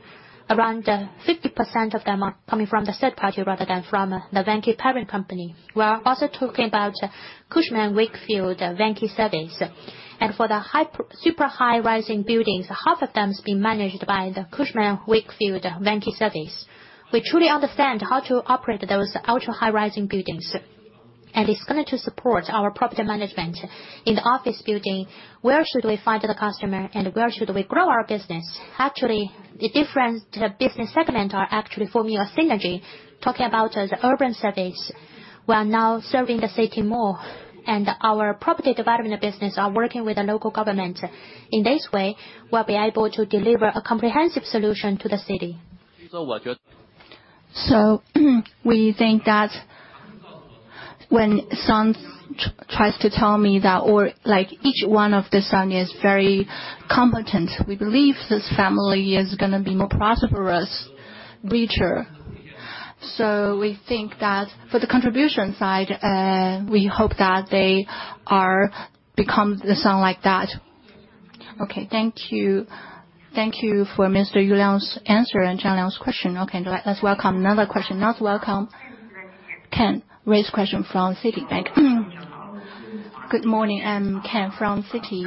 B: around 50% of them are coming from the third party rather than from the Vanke parent company. We are also talking about Cushman & Wakefield Vanke Service. For the super high-rise buildings, half of them is being managed by the Cushman & Wakefield Vanke Service. We truly understand how to operate those ultra-high-rise buildings, and it's going to support our property management in the office building, where should we find the customer and where should we grow our business? Actually, the different business segment are actually forming a synergy. Talking about as urban service, we are now serving the city more, and our property development business are working with the local government. In this way, we'll be able to deliver a comprehensive solution to the city. We think that when sons tries to tell me that, or like each one of the son is very competent, we believe this family is gonna be more prosperous, richer. We think that for the contribution side, we hope that they are become the son like that.
A: Okay, thank you. Thank you for Mr. Yu Liang's answer and Zhang Liang's question. Okay, let's welcome another question. Let's welcome Ken Yeung's question from Citibank.
G: Good morning, I'm Ken from Citi.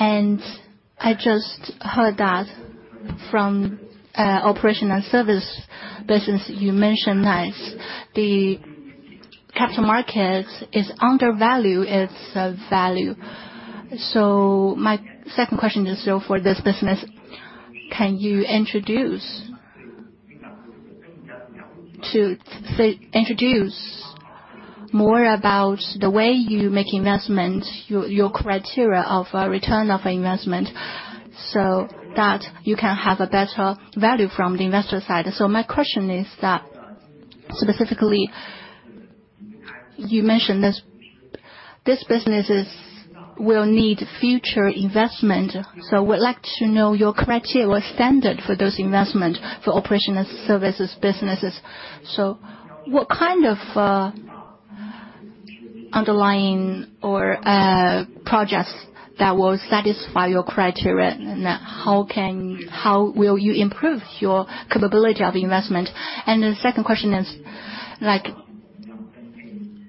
G: I just heard that from operational service business, you mentioned that the capital markets is undervalue its self-value. My second question is, for this business, can you introduce more about the way you make investment, your criteria of a return on investment, so that you can have a better value from the investor side. My question is specifically, you mentioned this business will need future investment. We'd like to know your criteria or standard for those investment for operational services businesses. What kind of underlying or projects that will satisfy your criteria? How will you improve your capability of investment? The second question is, like,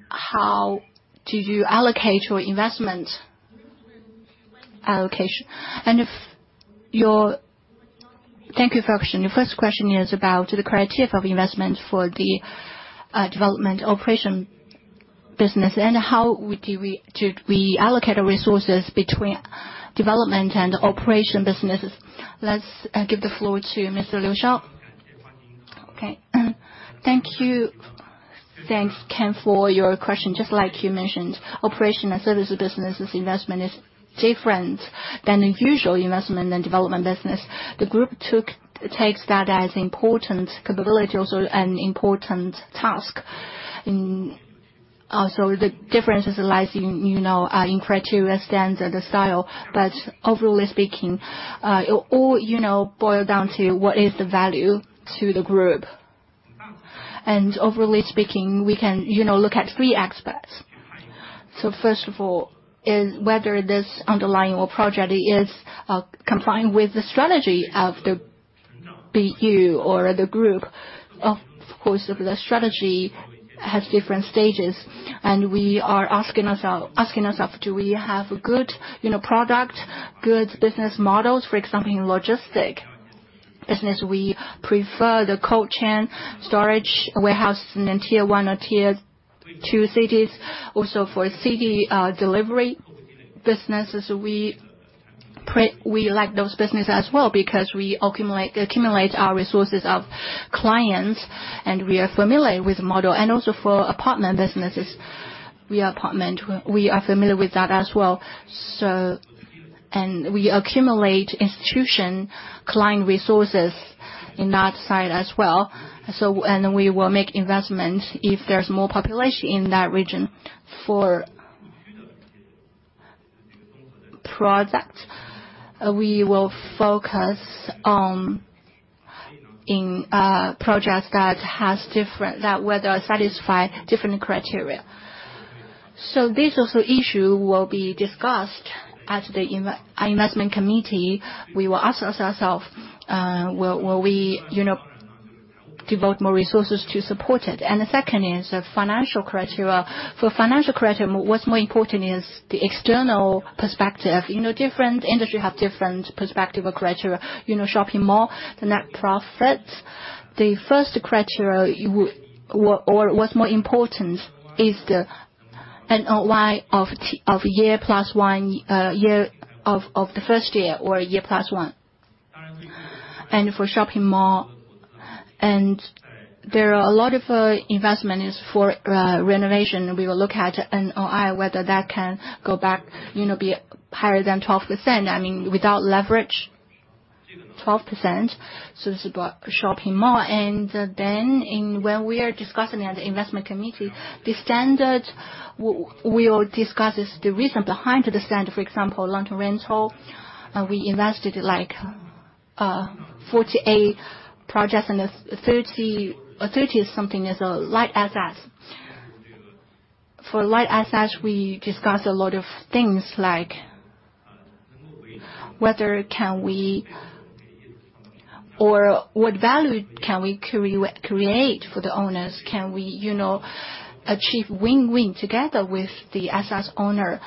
G: how did you allocate your investment allocation, and if your...
A: Thank you for your question. The first question is about the criteria of investment for the development operation business and how we allocate resources between development and operation businesses. Let's give the floor to Mr. Xiao Liu.
H: Okay. Thank you. Thanks, Ken, for your question. Just like you mentioned, operational services business' investment is different than the usual investment in development business. The group takes that as important capability, also an important task. Also, the differences lies in, you know, in criteria standard, the style, but overall speaking, it all, you know, boil down to what is the value to the group. Overall speaking, we can, you know, look at three aspects. First of all is whether this underlying or project is compliant with the strategy of the BU or the group. Of course, the strategy has different stages, and we are asking ourselves do we have good, you know, product, good business models? For example, in logistics business, we prefer the cold chain storage warehouse in Tier 1 or Tier 2 cities. Also, for city delivery businesses, we like those businesses as well because we accumulate our client resources, and we are familiar with the model. We are familiar with that as well. We accumulate institutional client resources in that side as well. We will make investments if there's more population in that region. For products, we will focus on projects that have different... that satisfy different criteria. This issue will also be discussed at the investment committee. We will ask ourselves, will we, you know, devote more resources to support it. The second is the financial criteria. For financial criteria, what's more important is the external perspective. You know, different industries have different perspectives or criteria. You know, shopping mall, the net profits. The first criteria or what's more important is the NOI of the year plus one, the first year or year plus one. For shopping mall, there are a lot of investments for renovation. We will look at NOI, whether that can go back, you know, be higher than 12%. I mean, without leverage, 12%. This is about shopping mall. Then when we are discussing in the investment committee, the standard we will discuss is the reason behind the standard. For example, long-term rental, we invested, like, 48 projects and thirty, or thirty-something is light assets. For light assets, we discuss a lot of things like whether can we or what value can we create for the owners? Can we, you know, achieve win-win together with the assets owner?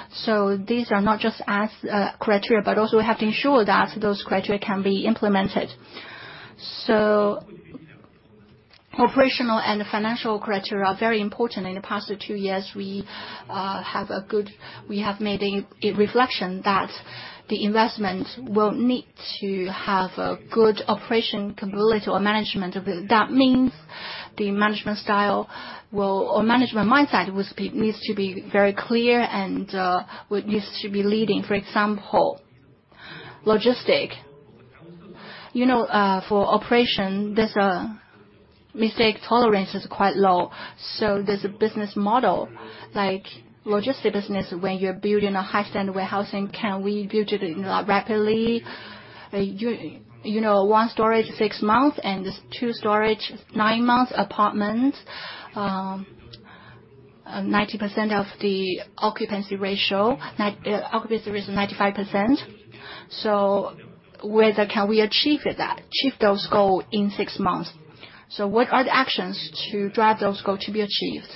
H: These are not just as criteria, but also we have to ensure that those criteria can be implemented. Operational and financial criteria are very important. In the past two years, we have made a reflection that the investment will need to have a good operation capability or management ability. That means the management style or management mindset needs to be very clear and needs to be leading. For example, logistics. You know, for operation, there's a mistake tolerance is quite low. There's a business model. Like logistic business, when you're building a high-end warehousing, can we build it rapidly? You know, one storage, six months, and two storage, nine months. Apartment, 90% of the occupancy ratio. Occupancy is 95%. Whether can we achieve it that, achieve those goal in six months? What are the actions to drive those goal to be achieved?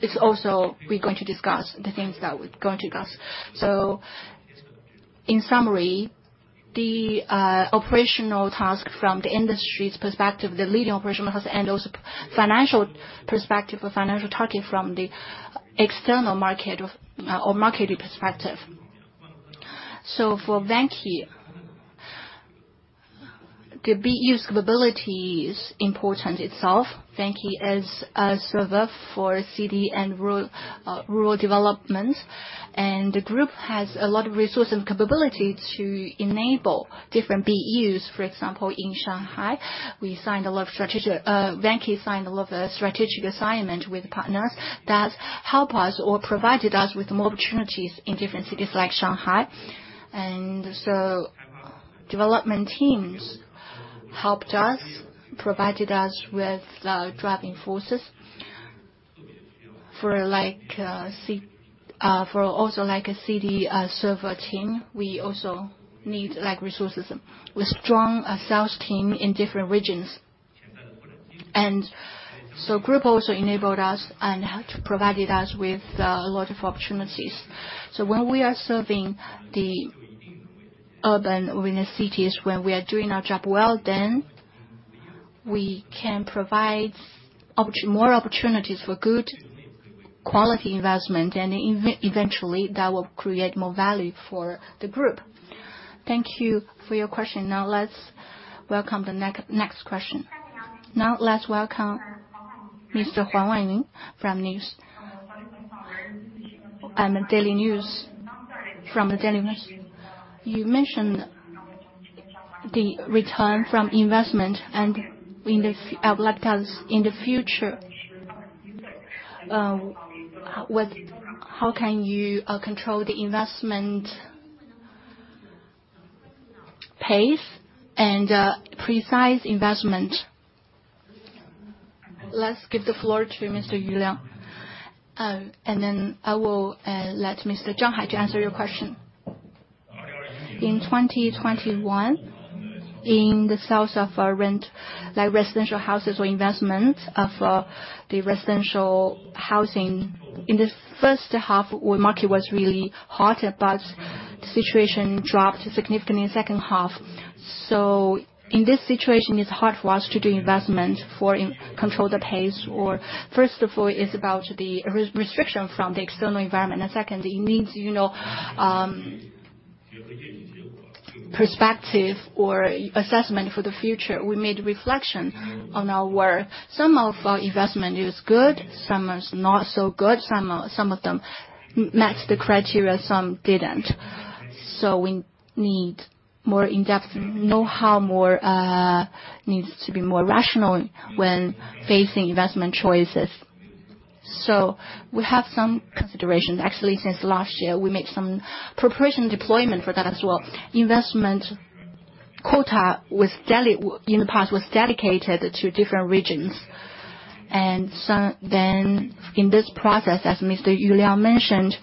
H: It's also, we're going to discuss the things that we're going to discuss. In summary, the operational task from the industry's perspective, the leading operational task, and also financial perspective or financial target from the external market or marketed perspective. For Vanke the BU's capability is important itself. Vanke is a server for CD and rural development. The group has a lot of resource and capability to enable different BUs. For example, in Shanghai, Vanke signed a lot of strategic assignment with partners that help us or provided us with more opportunities in different cities like Shanghai. Development teams helped us, provided us with driving forces for, like, a CD service team. We also need, like, resources with strong sales team in different regions. Group also enabled us and helped provided us with a lot of opportunities. When we are serving the urban cities, when we are doing our job well, then we can provide more opportunities for good quality investment and eventually, that will create more value for the group. Thank you for your question.
A: Now let's welcome the next question. Now let's welcome Mr. Huang Wanling from the Daily Economic News.
I: You mentioned the return on investment and in the future, like, what. How can you control the investment pace and precise investment?
A: Let's give the floor to Mr. Yu Liang, and then I will let Mr. Zhang Hai answer your question.
J: In 2021, in the sales of our rental residential houses or investment in the residential housing, in the first half, our market was really hot, but the situation dropped significantly in the second half. In this situation, it's hard for us to control the investment pace. First of all, it's about the restriction from the external environment. Second, it means, you know, perspective or assessment for the future. We made reflection on our work. Some of our investment is good, some is not so good, some of them match the criteria, some didn't. We need more in-depth know-how, needs to be more rational when facing investment choices. We have some considerations. Actually, since last year, we made some preparation deployment for that as well. Investment quota was dedicated in the past to different regions. In this process, as Mr. Yu Liang mentioned,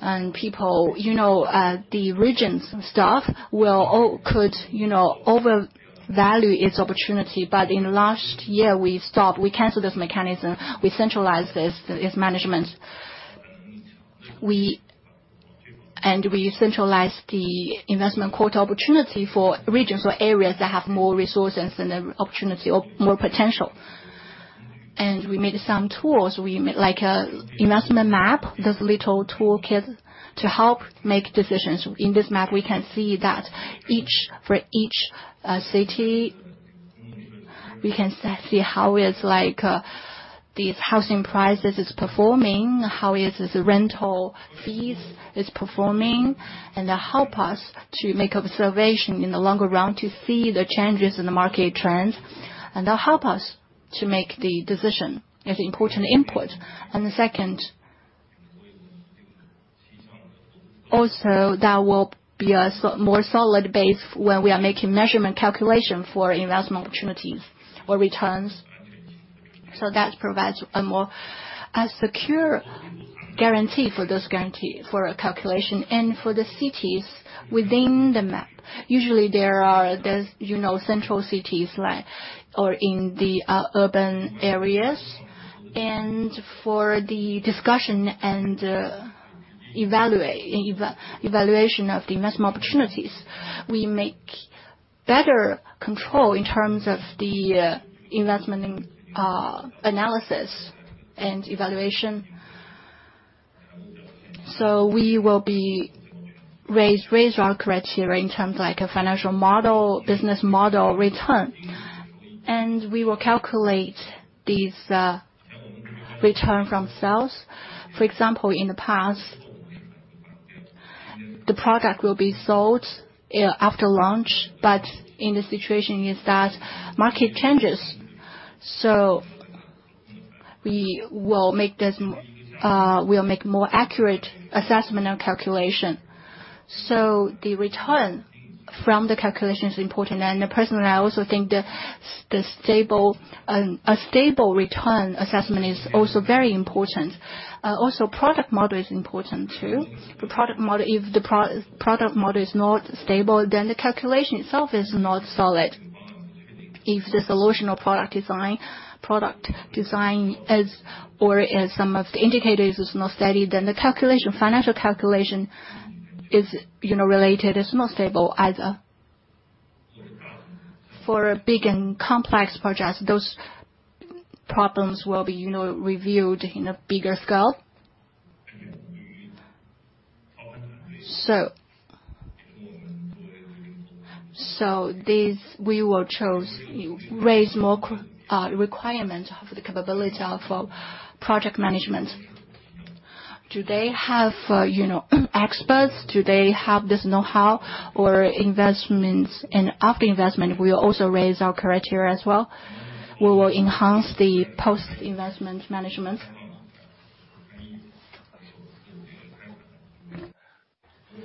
J: and people, you know, the regions staff could, you know, overvalue its opportunity. In last year, we stopped. We canceled this mechanism. We centralized this management. We centralized the investment quota opportunity for regions or areas that have more resources and opportunity or more potential. We made some tools. Like an investment map, those little toolkits to help make decisions. In this map, we can see that each city, we can see how it's like these housing prices is performing, how is its rental fees is performing, and that help us to make observation in the longer run to see the changes in the market trends, and that help us to make the decision as an important input. The second, also, that will be a more solid base when we are making measurement calculation for investment opportunities or returns. That provides a more secure guarantee for the calculation. For the cities within the map, usually there are central cities like or in the urban areas. For the discussion and evaluation of the investment opportunities, we make better control in terms of the investment analysis and evaluation. We will raise our criteria in terms like a financial model, business model return. We will calculate this return from sales. For example, in the past, the product will be sold after launch, but in this situation the market changes. We will make more accurate assessment and calculation. The return from the calculation is important. Personally, I also think a stable return assessment is also very important. Product model is important too. The product model, if the product model is not stable, then the calculation itself is not solid. If the solution or product design is, or if some of the indicators is not steady, then the financial calculation is, you know, related, is not stable either. For a big and complex projects, those problems will be, you know, reviewed in a bigger scale. These we will choose to raise more criteria requirements of the capability of project management. Do they have, you know, experts? Do they have this know-how or investments? After investment, we also raise our criteria as well. We will enhance the post-investment management.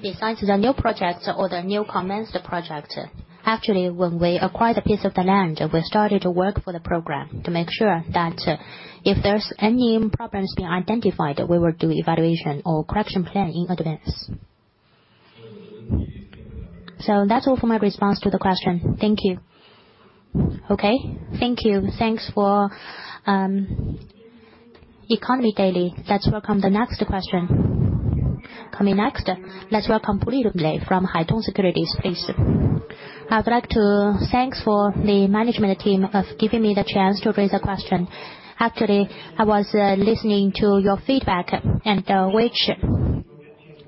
J: Besides the new projects or the new commenced project, actually, when we acquired a piece of the land, we started to work for the program to make sure that, if there's any problems being identified, we will do evaluation or correction plan in advance. That's all for my response to the question. Thank you.
A: Okay. Thank you. Thanks for Daily Economic News. Let's welcome the next question. Coming next, let's welcome Lilei Tu from Haitong Securities, please.
K: I'd like to thank the management team for giving me the chance to raise a question. Actually, I was listening to your feedback and, which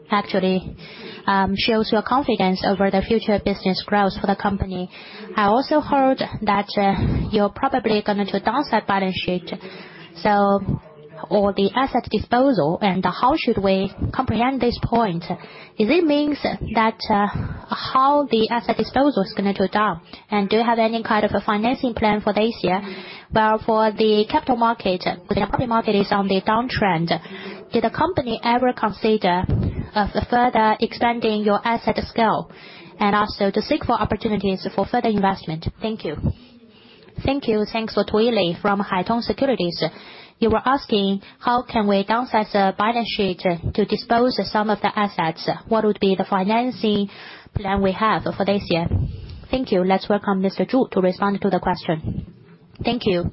K: actually, shows your confidence over the future business growth for the company. I also heard that, you're probably going to downsize balance sheet, or the asset disposal and how should we comprehend this point? Is it means that, how the asset disposal is gonna go down? And do you have any kind of a financing plan for this year? Well, for the capital market, the property market is on the downtrend. Did the company ever consider of further extending your asset scale and also to seek for opportunities for further investment? Thank you.
A: Thanks for Lilei Tu from Haitong Securities. You were asking, how can we downsize the balance sheet to dispose some of the assets? What would be the financing plan we have for this year? Thank you. Let's welcome Mr. Zhu to respond to the question.
E: Thank you.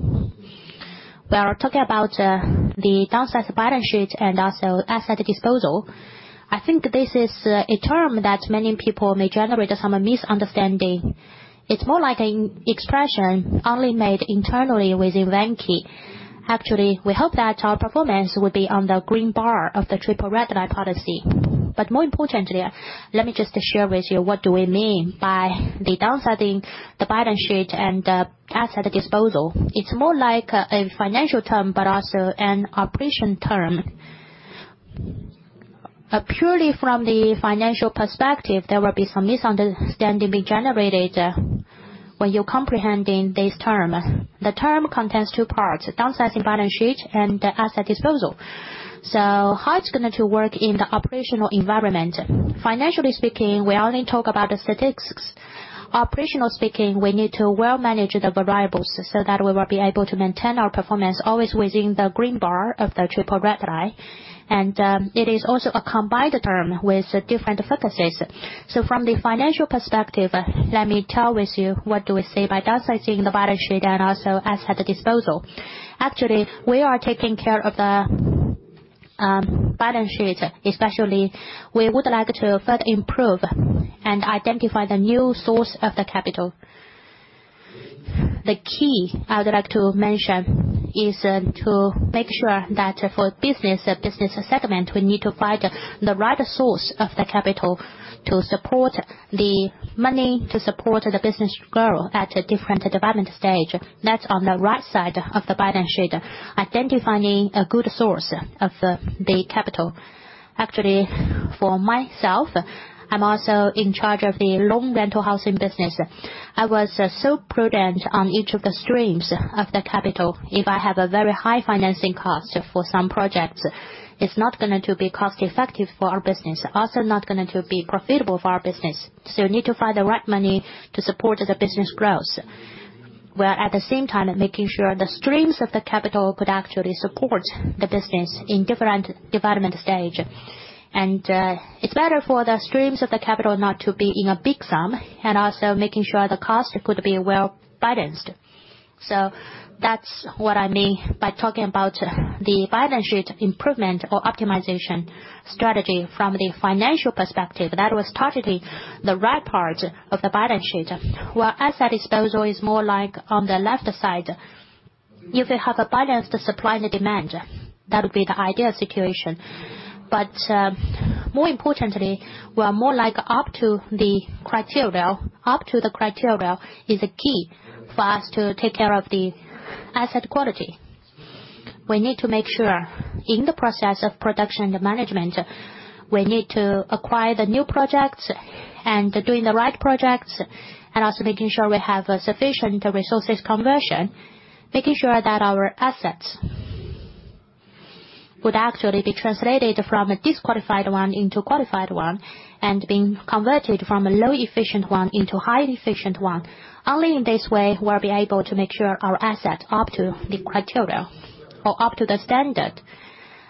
E: While talking about the downsizing balance sheet and also asset disposal, I think this is a term that many people may generate some misunderstanding. It's more like an expression only made internally within Vanke. Actually, we hope that our performance will be on the green bar of the three red lines policy. More importantly, let me just share with you what do we mean by the downsizing the balance sheet and the asset disposal. It's more like a financial term, but also an operational term. Purely from the financial perspective, there will be some misunderstanding being generated when you're comprehending this term. The term contains two parts, downsizing balance sheet and asset disposal. So how it's going to work in the operational environment? Financially speaking, we only talk about the statistics. Operationally speaking, we need to manage the variables well, so that we will be able to maintain our performance always within the green bar of the three red lines. It is also a combined term with different focuses. From the financial perspective, let me tell you what we mean by downsizing the balance sheet and also asset disposal. Actually, we are taking care of the balance sheet, especially we would like to further improve and identify the new source of the capital. The key I'd like to mention is to make sure that for business segment, we need to find the right source of the capital to support the business growth at different development stage. That's on the right side of the balance sheet, identifying a good source of the capital. Actually, for myself, I'm also in charge of the long rental housing business. I was so prudent on each of the streams of the capital. If I have a very high financing cost for some projects, it's not going to be cost-effective for our business, also not going to be profitable for our business. You need to find the right money to support the business growth, while at the same time making sure the streams of the capital could actually support the business in different development stage. It's better for the streams of the capital not to be in a big sum and also making sure the cost could be well-balanced. That's what I mean by talking about the balance sheet improvement or optimization strategy from the financial perspective. That was targeting the right part of the balance sheet. While asset disposal is more like on the left side. If you have a balanced supply and demand, that would be the ideal situation. More importantly, we are more like up to the criteria. Up to the criteria is the key for us to take care of the asset quality. We need to make sure in the process of production and management, we need to acquire the new projects and doing the right projects and also making sure we have sufficient resources conversion, making sure that our assets would actually be translated from a disqualified one into a qualified one and being converted from a low efficient one into a high efficient one. Only in this way we'll be able to make sure our assets up to the criteria or up to the standard.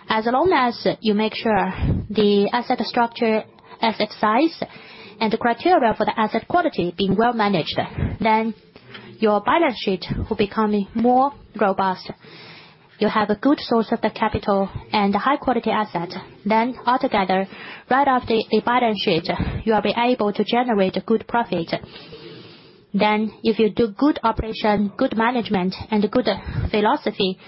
E: As long as you make sure the asset structure, asset size, and the criteria for the asset quality being well-managed, then your balance sheet will become more robust. You have a good source of the capital and high-quality asset, then all together, right off the balance sheet, you will be able to generate good profit. If you do good operation, good management, and good philosophy,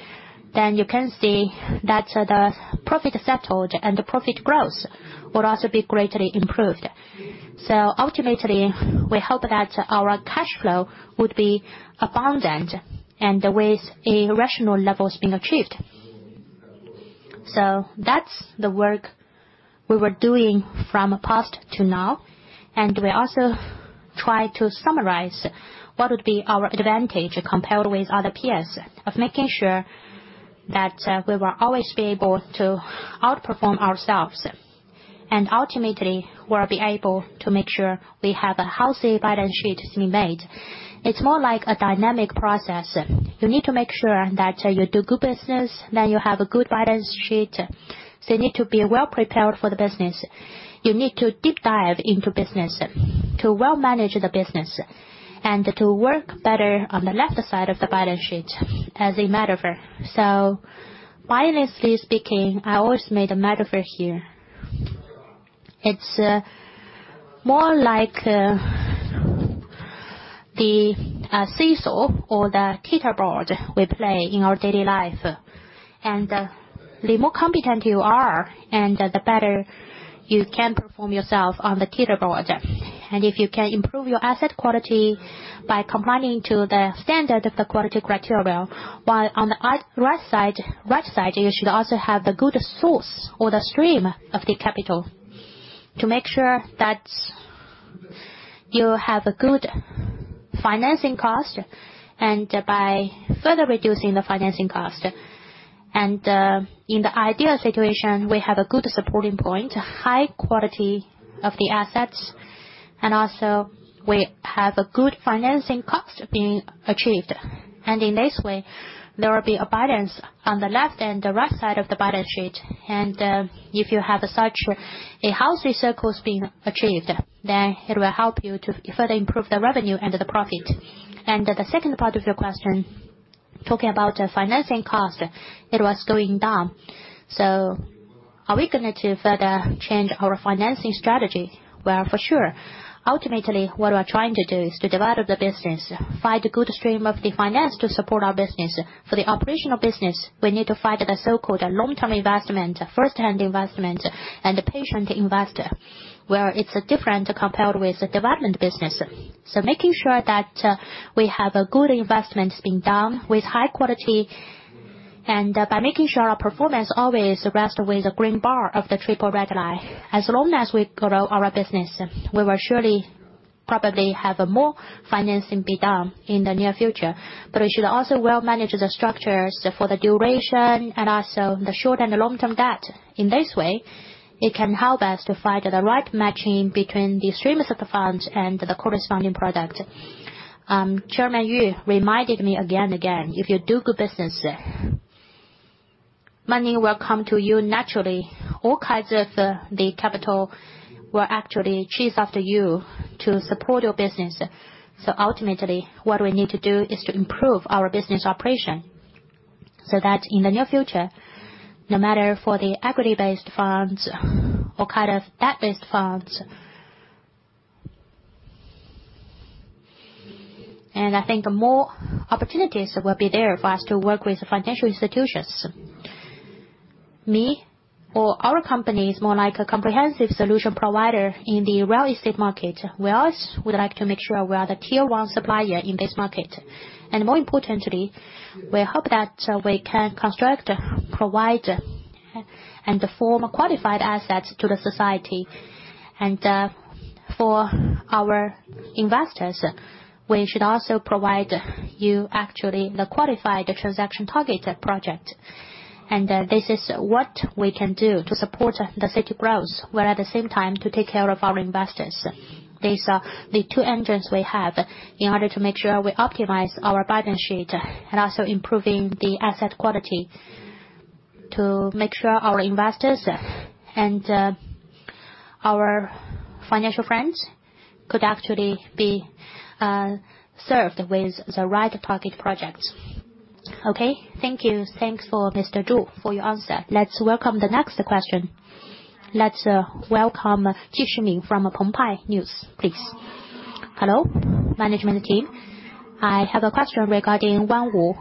E: then you can see that the profit settled and the profit growth will also be greatly improved. Ultimately, we hope that our cash flow would be abundant and with a rational level being achieved. That's the work we were doing from the past to now, and we also try to summarize what would be our advantage compared with other peers of making sure that we will always be able to outperform ourselves. Ultimately, we'll be able to make sure we have a healthy balance sheet to be made. It's more like a dynamic process. You need to make sure that you do good business, then you have a good balance sheet. You need to be well-prepared for the business. You need to deep dive into business to well manage the business and to work better on the left side of the balance sheet as a metaphor. Finally speaking, I always made a metaphor here. It's more like the seesaw or the teeter board we play in our daily life. The more competent you are and the better you can perform yourself on the teeter board. If you can improve your asset quality by complying to the standard of the quality criteria, while on the other side, right side, you should also have the good source or the stream of the capital to make sure that you have a good financing cost and by further reducing the financing cost. In the ideal situation, we have a good supporting point, high quality of the assets, and also we have a good financing cost being achieved. In this way, there will be a balance on the left and the right side of the balance sheet. If you have such a healthy cycle being achieved, then it will help you to further improve the revenue and the profit. The second part of your question, talking about financing cost, it was going down. Are we going to further change our financing strategy? Well, for sure. Ultimately, what we're trying to do is to develop the business, find a good stream of finance to support our business. For the operational business, we need to find the so-called long-term investment, first-hand investment, and patient investor, where it's different compared with the development business. Making sure that we have a good investment being done with high quality and by making sure our performance always rest with the green bar of the three red lines. As long as we grow our business, we will surely probably have more financing be done in the near future. But we should also well manage the structures for the duration and also the short and the long-term debt. In this way, it can help us to find the right matching between the streams of the funds and the corresponding product. Chairman Yu reminded me again and again, if you do good business, money will come to you naturally. All kinds of the capital will actually chase after you to support your business. Ultimately, what we need to do is to improve our business operation, so that in the near future, no matter for the equity-based funds or kind of debt-based funds. I think more opportunities will be there for us to work with financial institutions. We or our company is more like a comprehensive solution provider in the real estate market. We always would like to make sure we are the tier one supplier in this market. More importantly, we hope that we can construct, provide, and form qualified assets to the society. For our investors, we should also provide you actually the qualified transaction targeted project. This is what we can do to support the city growth, while at the same time to take care of our investors. These are the two engines we have in order to make sure we optimize our balance sheet and also improving the asset quality to make sure our investors and, our financial friends could actually be, served with the right target projects.
A: Okay. Thank you. Thanks for Mr. Zhu for your answer. Let's welcome the next question. Let's welcome Qi Jimin from The Paper, please.
L: Hello, management team. I have a question regarding Onewo.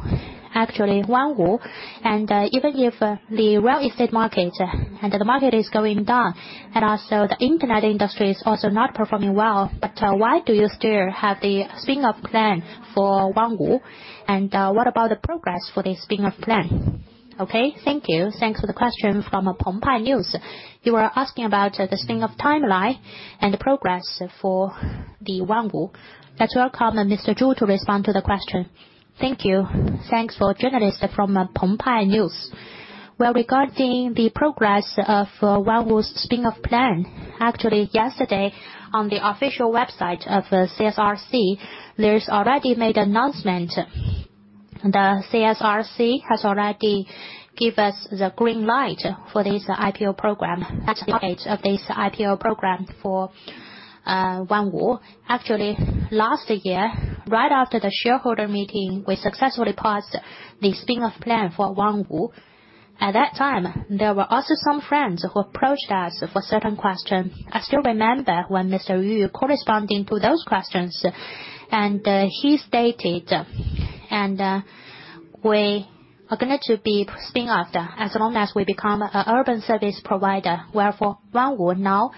L: Actually, Onewo, even if the real estate market and the market is going down and also the internet industry is also not performing well, but, why do you still have the spin-off plan for Onewo? And, what about the progress for the spin-off plan?
A: Okay. Thank you. Thanks for the question from The Paper. You are asking about the spin-off timeline and the progress for the Onewo. Let's welcome Mr. Zhu to respond to the question.
E: Thank you. Thanks to the journalist from The Paper. Well, regarding the progress of Onewo's spin-off plan, actually, yesterday on the official website of CSRC, there's already made announcement. The CSRC has already give us the green light for this IPO program. That's the date of this IPO program for Onewo. Actually, last year, right after the shareholder meeting, we successfully passed the spin-off plan for Onewo. At that time, there were also some friends who approached us for certain question. I still remember when Mr. Yu corresponding to those questions, and he stated, "we are going to be spin-offed, as long as we become a urban service provider." Wherefore Onewo now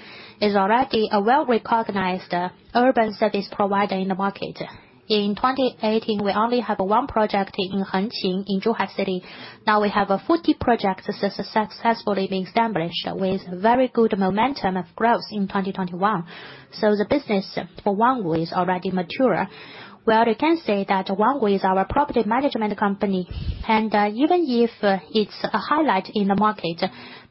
E: is already a well-recognized urban service provider in the market. In 2018, we only have one project in Hengqin, in Zhuhai City. Now we have 40 projects successfully being established with very good momentum of growth in 2021. The business for Onewo is already mature. Well, you can say that Onewo is our property management company, and even if it's a highlight in the market,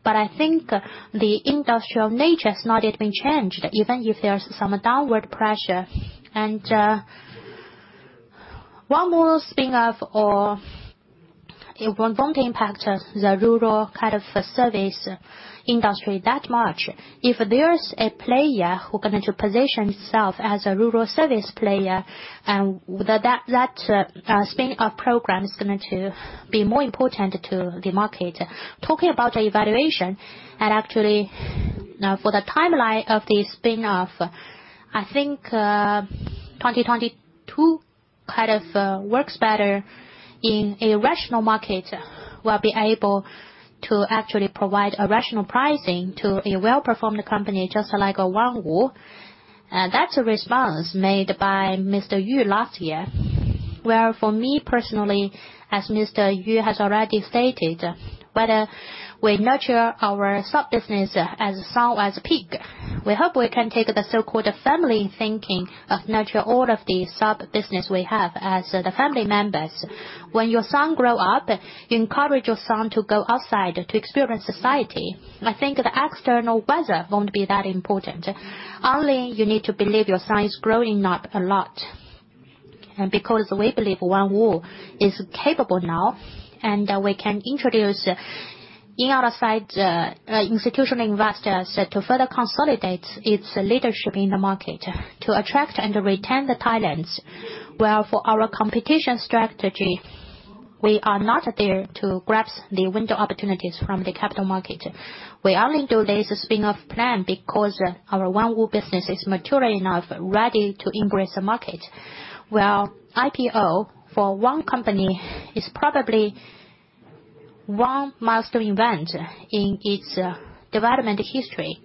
E: but I think the industrial nature has not yet been changed, even if there's some downward pressure. Onewo spin-off or it won't impact the rural kind of service industry that much. If there's a player who is going to position himself as a rural service player, that spin-off program is going to be more important to the market. Talking about evaluation, actually, now for the timeline of the spin-off, I think, 2022 kind of works better in a rational market. We'll be able to actually provide a rational pricing to a well-performed company just like Onewo. That's a response made by Mr. Yu last year. Well, for me personally, as Mr. Yu has already stated, whether we nurture our sub-businesses as soundly as possible, we hope we can take the so-called family thinking to nurture all of the sub-businesses we have as the family members. When your son grows up, you encourage your son to go outside to experience society. I think the external weather won't be that important. Only you need to believe your son is growing up a lot. Because we believe Onewo is capable now, and we can introduce in our side institutional investors to further consolidate its leadership in the market, to attract and retain the talents. Well, for our competition strategy, we are not there to grasp the window opportunities from the capital market. We only do this spin-off plan because our Onewo business is mature enough, ready to embrace the market. Well, IPO for one company is probably one milestone event in its development history,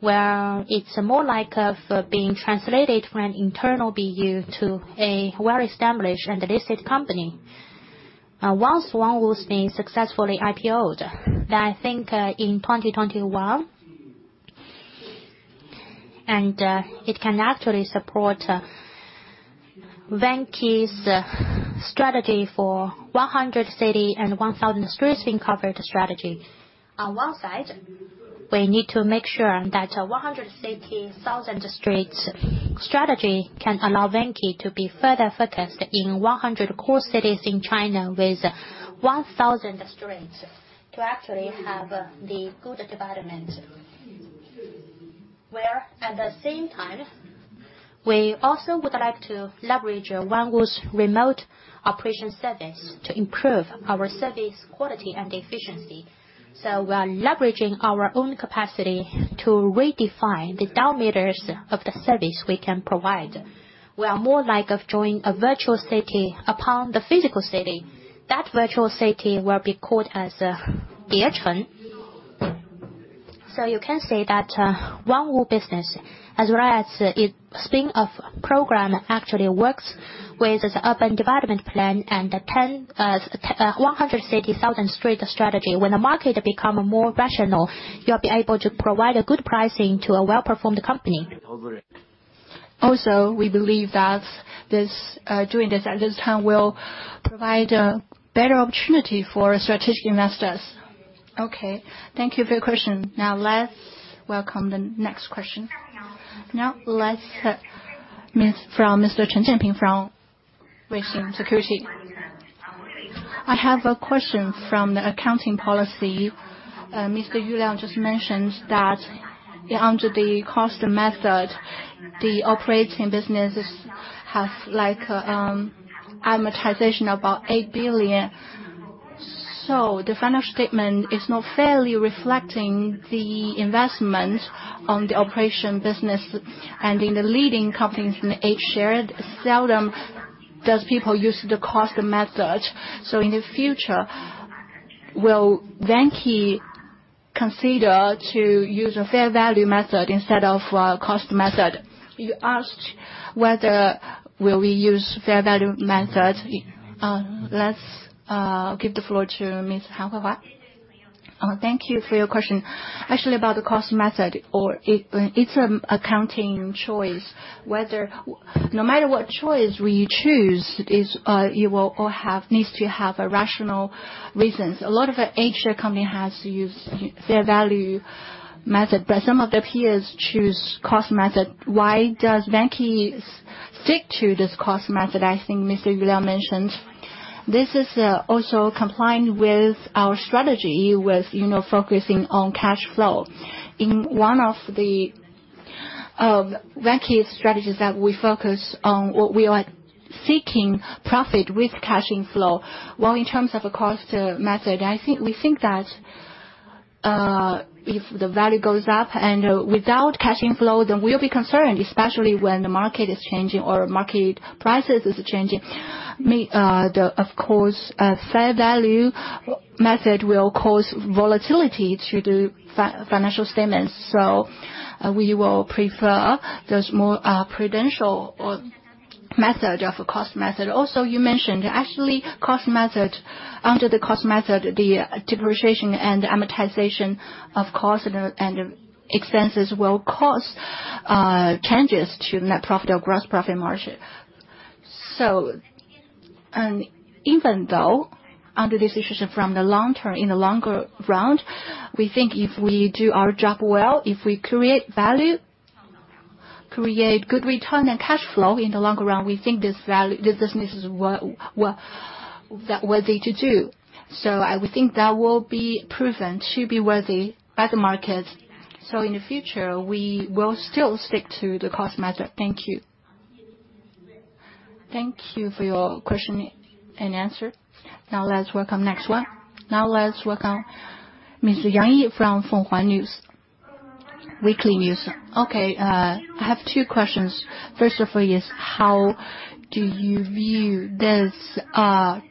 E: where it's more like of being translated from an internal BU to a well-established and listed company. Once Onewo's been successfully IPO'd, I think, in 2021, and it can actually support Vanke's strategy for Hundred Cities, Thousand Streets being covered strategy. On one side, we need to make sure that Hundred Cities, Thousand Streets strategy can allow Vanke to be further focused in 100 core cities in China with 1,000 streets to actually have the good development. While at the same time, we also would like to leverage Onewo's remote operation service to improve our service quality and efficiency. We are leveraging our own capacity to redefine the dimensions of the service we can provide. We are more like of drawing a virtual city upon the physical city. That virtual city will be called as Diechun. You can say that Onewo business, as well as its spin-off program, actually works with the urban development plan and the Hundred Cities, Thousand Streets strategy. When the market become more rational, you'll be able to provide a good pricing to a well-performed company. Also, we believe that this doing this at this time will provide a better opportunity for strategic investors.
A: Okay, thank you for your question. Now let's welcome the next question. Now let's hear from Mr. Chen Xianping from Western Securities.
M: I have a question from the accounting policy. Mr. Yu Liang just mentioned that under the cost method, the operating businesses have amortization of about 8 billion. The financial statement is not fairly reflecting the investment on the operation business. In the leading companies in H-share, seldom does people use the cost method. In the future, will Vanke consider to use a fair value method instead of a cost method?
A: You asked whether will we use fair value method. Let's give the floor to Miss Han Huihua.
N: Thank you for your question. Actually, about the cost method, it's an accounting choice, whether no matter what choice you choose, it needs to have rational reasons. A lot of H-share company has used fair value method, but some of their peers choose cost method. Why does Vanke stick to this cost method? I think Mr. Yu Liang mentioned. This is also compliant with our strategy with, you know, focusing on cash flow. In one of Vanke's strategies that we focus on, what we are seeking profit with cash flow. While in terms of a cost method, I think we think that if the value goes up and without cash flow, then we'll be concerned, especially when the market is changing or market prices is changing. Of course, the fair value method will cause volatility to the financial statements. We will prefer those more prudent method of a cost method. Also, you mentioned actually cost method. Under the cost method, the depreciation and amortization of cost and expenses will cause changes to net profit or gross profit margin. Even though under this situation from the long term, in the long run, we think if we do our job well, if we create value, create good return and cash flow in the longer run, we think this value, this business is worthy to do. I would think that will be proven to be worthy by the markets. In the future, we will still stick to the cost method. Thank you.
A: Thank you for your question and answer. Now let's welcome next one. Now let's welcome Mr. Yang Yi from Phoenix Weekly.
O: Okay. I have two questions. First of all, how do you view these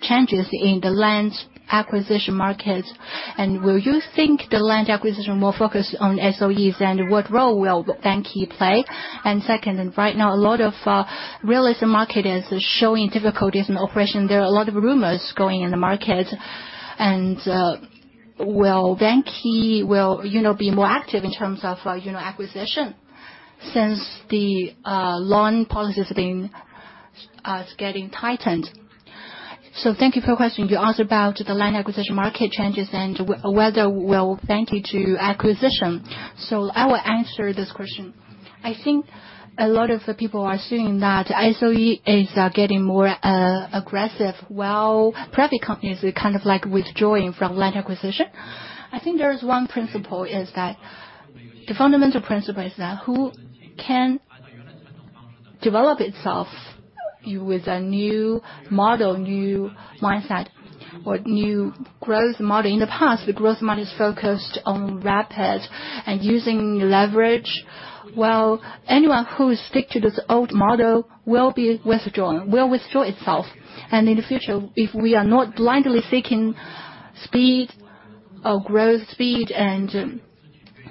O: changes in the land acquisition markets? And will you think the land acquisition more focused on SOEs, and what role will Vanke play? And second, right now a lot of real estate market is showing difficulties in operation. There are a lot of rumors going in the market. And will Vanke, you know, be more active in terms of acquisition since the loan policy is getting tightened.
B: Thank you for your question. You asked about the land acquisition market changes and whether will Vanke do acquisition. I will answer this question. I think a lot of the people are assuming that SOE is getting more aggressive, while private companies are kind of like withdrawing from land acquisition. I think there is one principle, is that the fundamental principle is that who can develop itself with a new model, new mindset or new growth model. In the past, the growth model is focused on rapid and using leverage, while anyone who stick to this old model will withdraw itself. In the future, if we are not blindly seeking speed or growth speed, and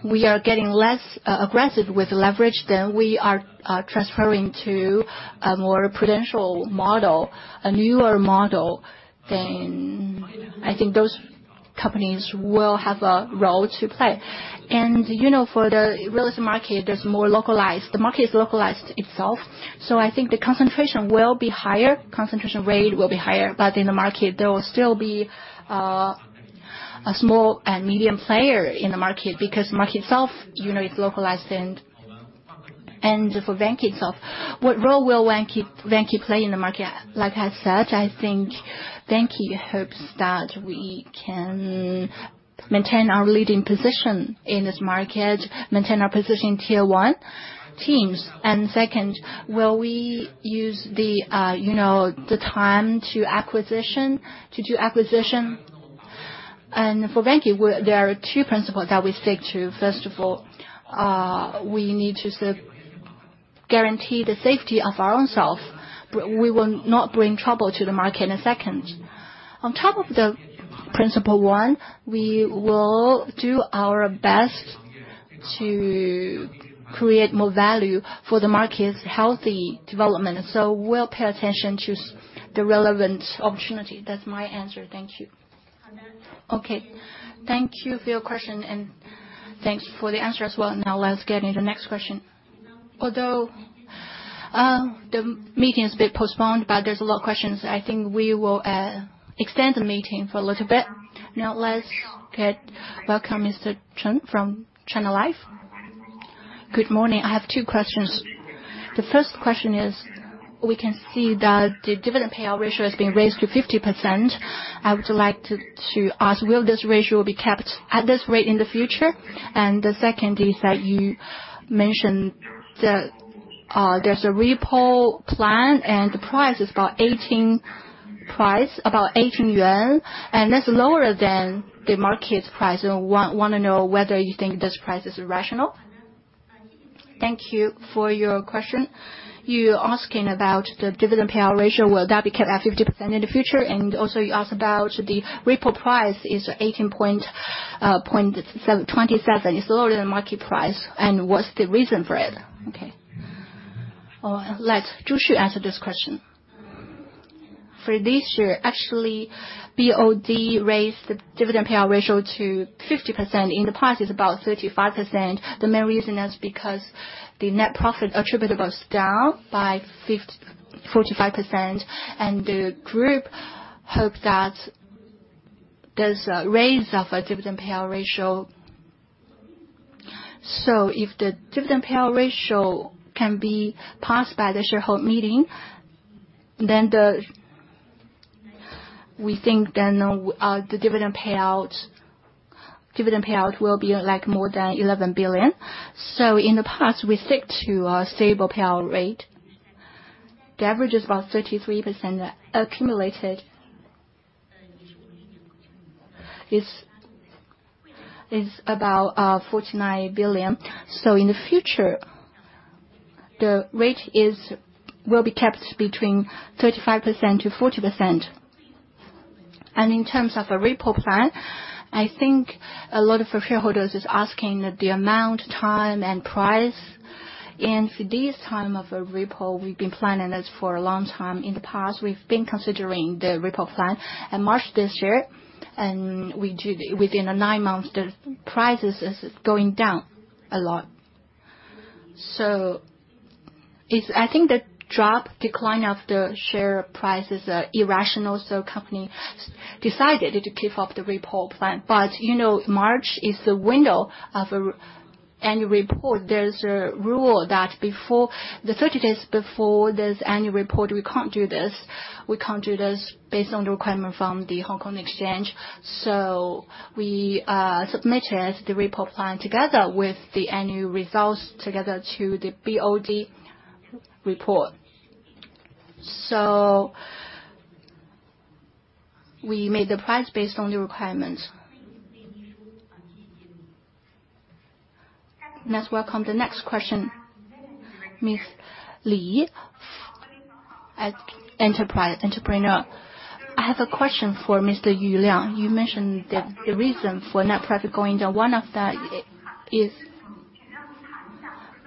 B: we are getting less aggressive with leverage, then we are transferring to a more prudential model, a newer model. I think those companies will have a role to play. You know, for the real estate market, there's more localized. The market is localized itself, so I think the concentration will be higher, concentration rate will be higher. In the market, there will still be a small and medium player in the market, because market itself, you know, is localized. For Vanke itself, what role will Vanke play in the market? Like I said, I think Vanke hopes that we can maintain our leading position in this market, maintain our position in tier one cities. Second, will we use the, you know, the time to acquisition, to do acquisition? For Vanke, there are two principles that we stick to. First of all, we need to guarantee the safety of our own self. We will not bring trouble to the market. Second, on top of the principle one, we will do our best to create more value for the market's healthy development. We'll pay attention to the relevant opportunity. That's my answer. Thank you.
A: Okay, thank you for your question, and thanks for the answer as well. Now let's get into the next question. Although the meeting has been postponed, but there's a lot of questions. I think we will extend the meeting for a little bit. Welcome Mr. Chen from China Life.
P: Good morning. I have two questions. The first question is, we can see that the dividend payout ratio has been raised to 50%. I would like to ask, will this ratio be kept at this rate in the future? The second is that you mentioned that, there's a repo plan and the price is about eighteen yuan, and that's lower than the market price. I wanna know whether you think this price is rational.
A: Thank you for your question. You're asking about the dividend payout ratio, will that be kept at 50% in the future? Also you asked about the repo price is 18.727. It's lower than market price, and what's the reason for it? Okay. Let Zhu Xu answer this question. For this year, actually, BOD raised the dividend payout ratio to 50%. In the past, it's about 35%. The main reason is because the net profit attributable is down by 45%, and the group hope that this raise of a dividend payout ratio... If the dividend payout ratio can be passed by the shareholder meeting, we think the dividend payout will be like more than 11 billion. In the past, we stick to our stable payout rate. The average is about 33% accumulated, is about 49 billion. In the future, the rate will be kept between 35%-40%. In terms of a repo plan, I think a lot of our shareholders is asking the amount, time and price. For this time of a repo, we've been planning this for a long time. In the past, we've been considering the repo plan in March this year, within the nine months, the prices is going down a lot. I think the decline of the share prices is irrational, so company decided to keep up the repo plan. You know, March is the window of an annual report. There's a rule that before the 30 days before this annual report, we can't do this. We can't do this based on the requirement from the Hong Kong Exchange. We submitted the repo plan together with the annual results to the BOD report. We made the price based on the requirements. Let's welcome the next question. Ms. Li at China Entrepreneur.
Q: I have a question for Mr. Yu Liang. You mentioned that the reason for net profit going down, one of that is.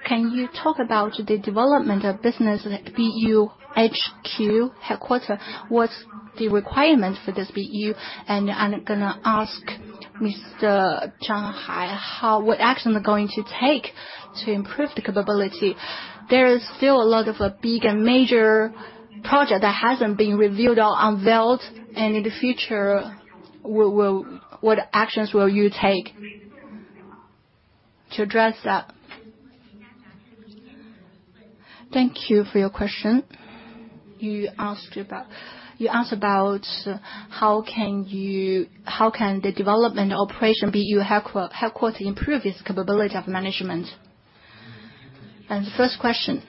Q: Can you talk about the development of business at BU headquarters? What's the requirement for this BU? And I'm gonna ask Mr. Zhang Hai, what action they're going to take to improve the capability. There is still a lot of a big and major project that hasn't been revealed or unveiled, and in the future, what actions will you take to address that?
A: Thank you for your question. You asked about how can the Development and Operation BU Headquarters improve its capability of management?
B: The first question,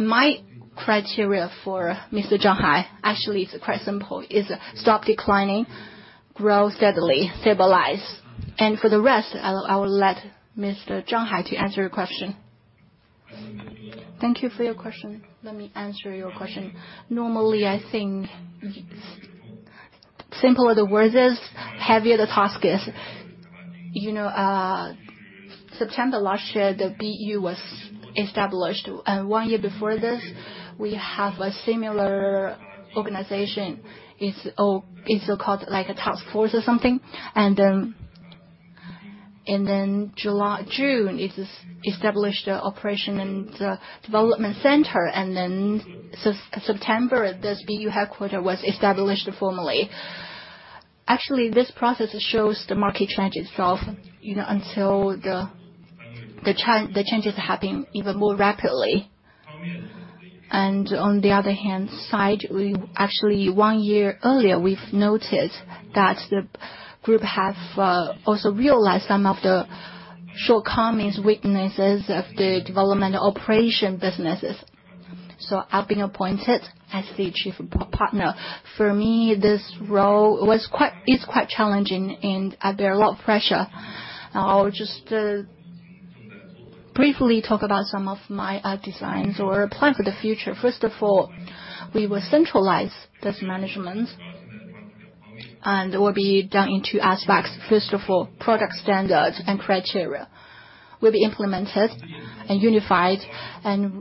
B: my criteria for Mr. Zhang Hai actually is quite simple, is stop declining, grow steadily, stabilize. For the rest, I will let Mr. Zhang Hai answer your question.
J: Thank you for your question. Let me answer your question. Normally, I think simpler the words is, heavier the task is. You know, September last year, the BU was established. One year before this, we have a similar organization. It's called like a task force or something. Then June, it is established a operation and development center. Then September, this BU headquarters was established formally. Actually, this process shows the market trend itself, you know, until the changes happen even more rapidly. On the other hand side, we actually one year earlier, we've noted that the group have also realized some of the shortcomings, weaknesses of the development operation businesses. I've been appointed as the Chief Partner. For me, this role it's quite challenging and I bear a lot of pressure. I'll just briefly talk about some of my designs or plan for the future. First of all, we will centralize this management, and it will be done in two aspects. First of all, product standards and criteria will be implemented and unified.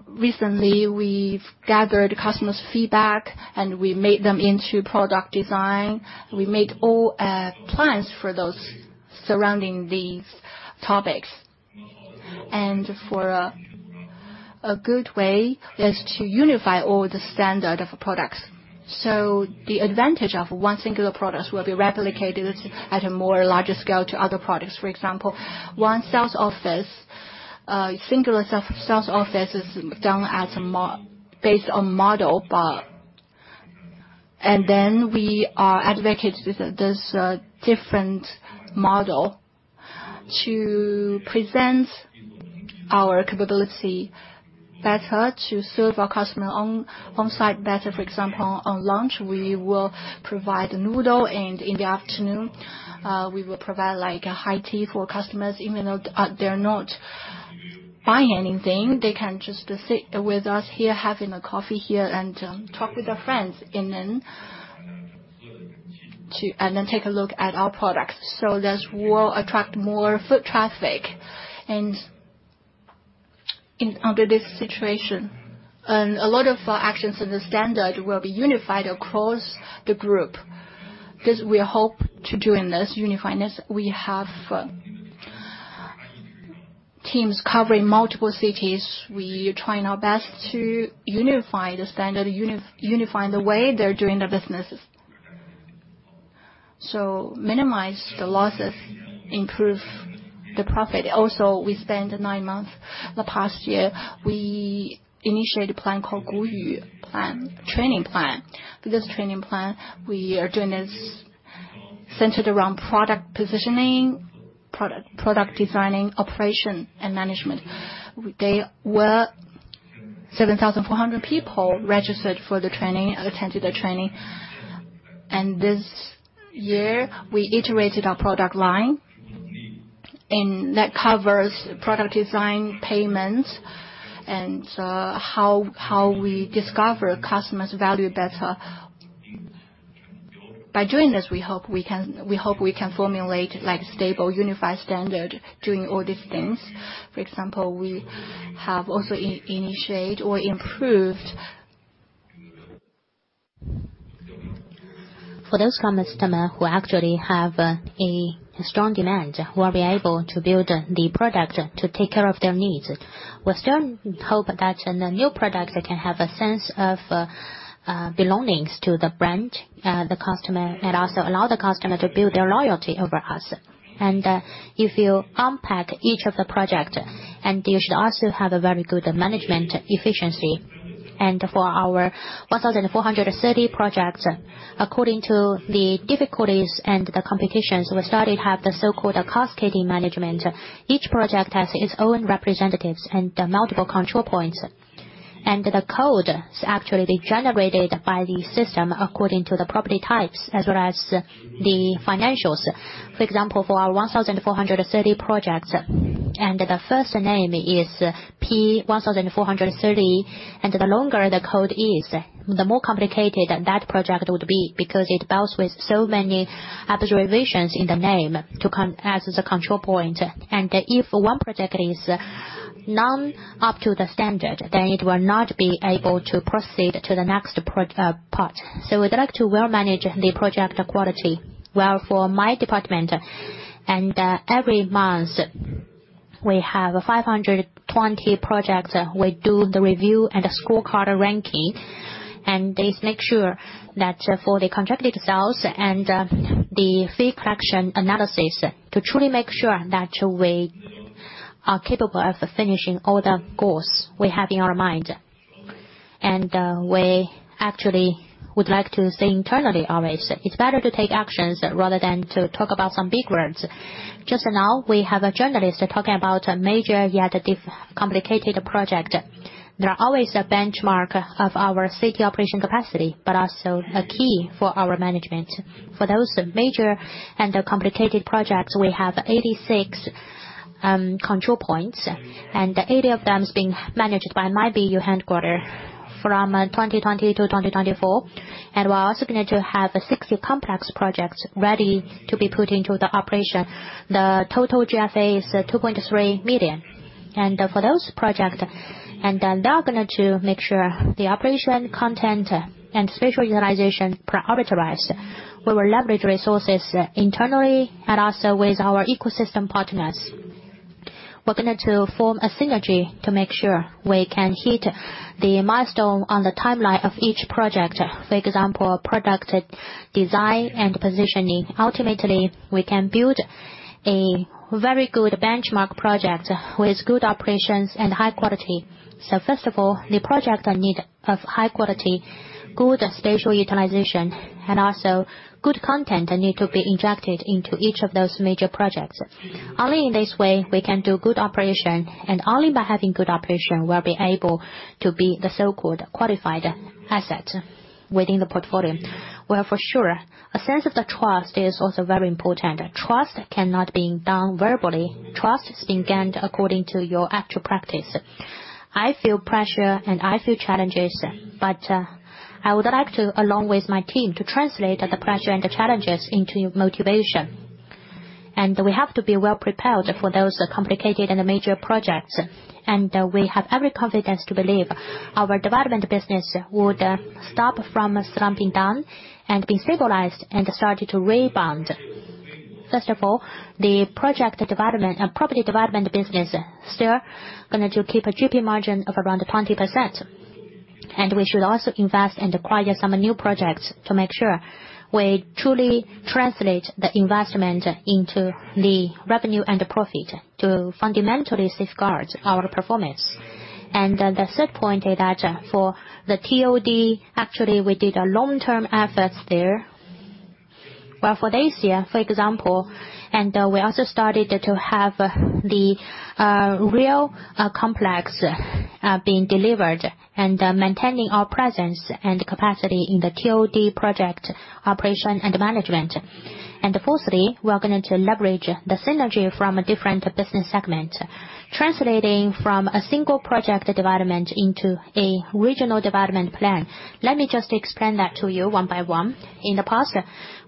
J: Recently we've gathered customers' feedback, and we made them into product design. We made all plans for those surrounding these topics. For a good way is to unify all the standard of products. The advantage of one singular product will be replicated at a more larger scale to other products. For example, one sales office, singular sales office is done as a model based on model. Then we are advocating with this different model to present our capability better to serve our customer on-site better. For example, on lunch, we will provide noodle, and in the afternoon, we will provide like a high tea for customers, even if they're not buy anything, they can just sit with us here, having a coffee here and, talk with their friends. Then take a look at our products. This will attract more foot traffic. Under this situation, a lot of actions in the standard will be unified across the group, 'cause we hope to doing this, unifying this. We have teams covering multiple cities. We trying our best to unify the standard, unifying the way they're doing their businesses. Minimize the losses, improve the profit. Also, we spent nine months the past year, we initiated a plan called training plan. This training plan we are doing is centered around product positioning, product designing, operation and management. There were 7,400 people registered for the training attended the training. This year we iterated our product line, and that covers product design, payments, and how we discover customers value better. By doing this, we hope we can formulate like stable, unified standard doing all these things. For example, we have also initiated or improved. For those customer who actually have a strong demand, we are able to build the product to take care of their needs. We still hope that in the new product, they can have a sense of belonging to the brand, the customer, and also allow the customer to build their loyalty over us. If you unpack each of the project, you should also have a very good management efficiency. For our 1,430 projects, according to the difficulties and the complications, we have started to have the so-called cascading management. Each project has its own representatives and multiple control points. The code is actually generated by the system according to the property types as well as the financials. For example, for our 1,430 projects, the first name is P1430. The longer the code is, the more complicated that project would be because it deals with so many observations in the plan as the control point. If one project is not up to the standard, then it will not be able to proceed to the next part. We'd like to manage well the project quality. Well, for my department, every month, we have 520 projects. We do the review and a scorecard ranking, and they make sure that for the contracted sales and the fee collection analysis to truly make sure that we are capable of finishing all the goals we have in our mind. We actually would like to say internally always, it's better to take actions rather than to talk about some big words. Just now, we have a journalist talking about a major yet complicated project. There are always a benchmark of our city operation capacity, but also a key for our management. For those major and complicated projects, we have 86 control points, and 80 of them are being managed by my BU headquarters from 2020 to 2024. We're also going to have 60 complex projects ready to be put into operation. The total GFA is 2.3 million. For those projects, they're going to make sure the operation content and spatial utilization are authorized. We will leverage resources internally and also with our ecosystem partners. We're going to form a synergy to make sure we can hit the milestone on the timeline of each project. For example, product design and positioning. Ultimately, we can build a very good benchmark project with good operations and high quality. First of all, the project need of high quality, good spatial utilization, and also good content need to be injected into each of those major projects. Only in this way we can do good operation, and only by having good operation we'll be able to be the so-called qualified asset within the portfolio. Well, for sure, a sense of the trust is also very important. Trust cannot be done verbally. Trust is being gained according to your actual practice. I feel pressure, and I feel challenges, but, I would like to, along with my team, to translate the pressure and the challenges into motivation. We have to be well prepared for those complicated and major projects. We have every confidence to believe our development business would stop from slumping down and be stabilized and start to rebound. First of all, the property development business still going to keep a GP margin of around 20%. We should also invest and acquire some new projects to make sure we truly translate the investment into the revenue and the profit to fundamentally safeguard our performance. The third point is that for the TOD, actually, we did a long-term efforts there. For this year, for example, and we also started to have the real complex being delivered and maintaining our presence and capacity in the TOD project operation and management. Fourthly, we are going to leverage the synergy from a different business segment, translating from a single project development into a regional development plan. Let me just explain that to you one by one. In the past,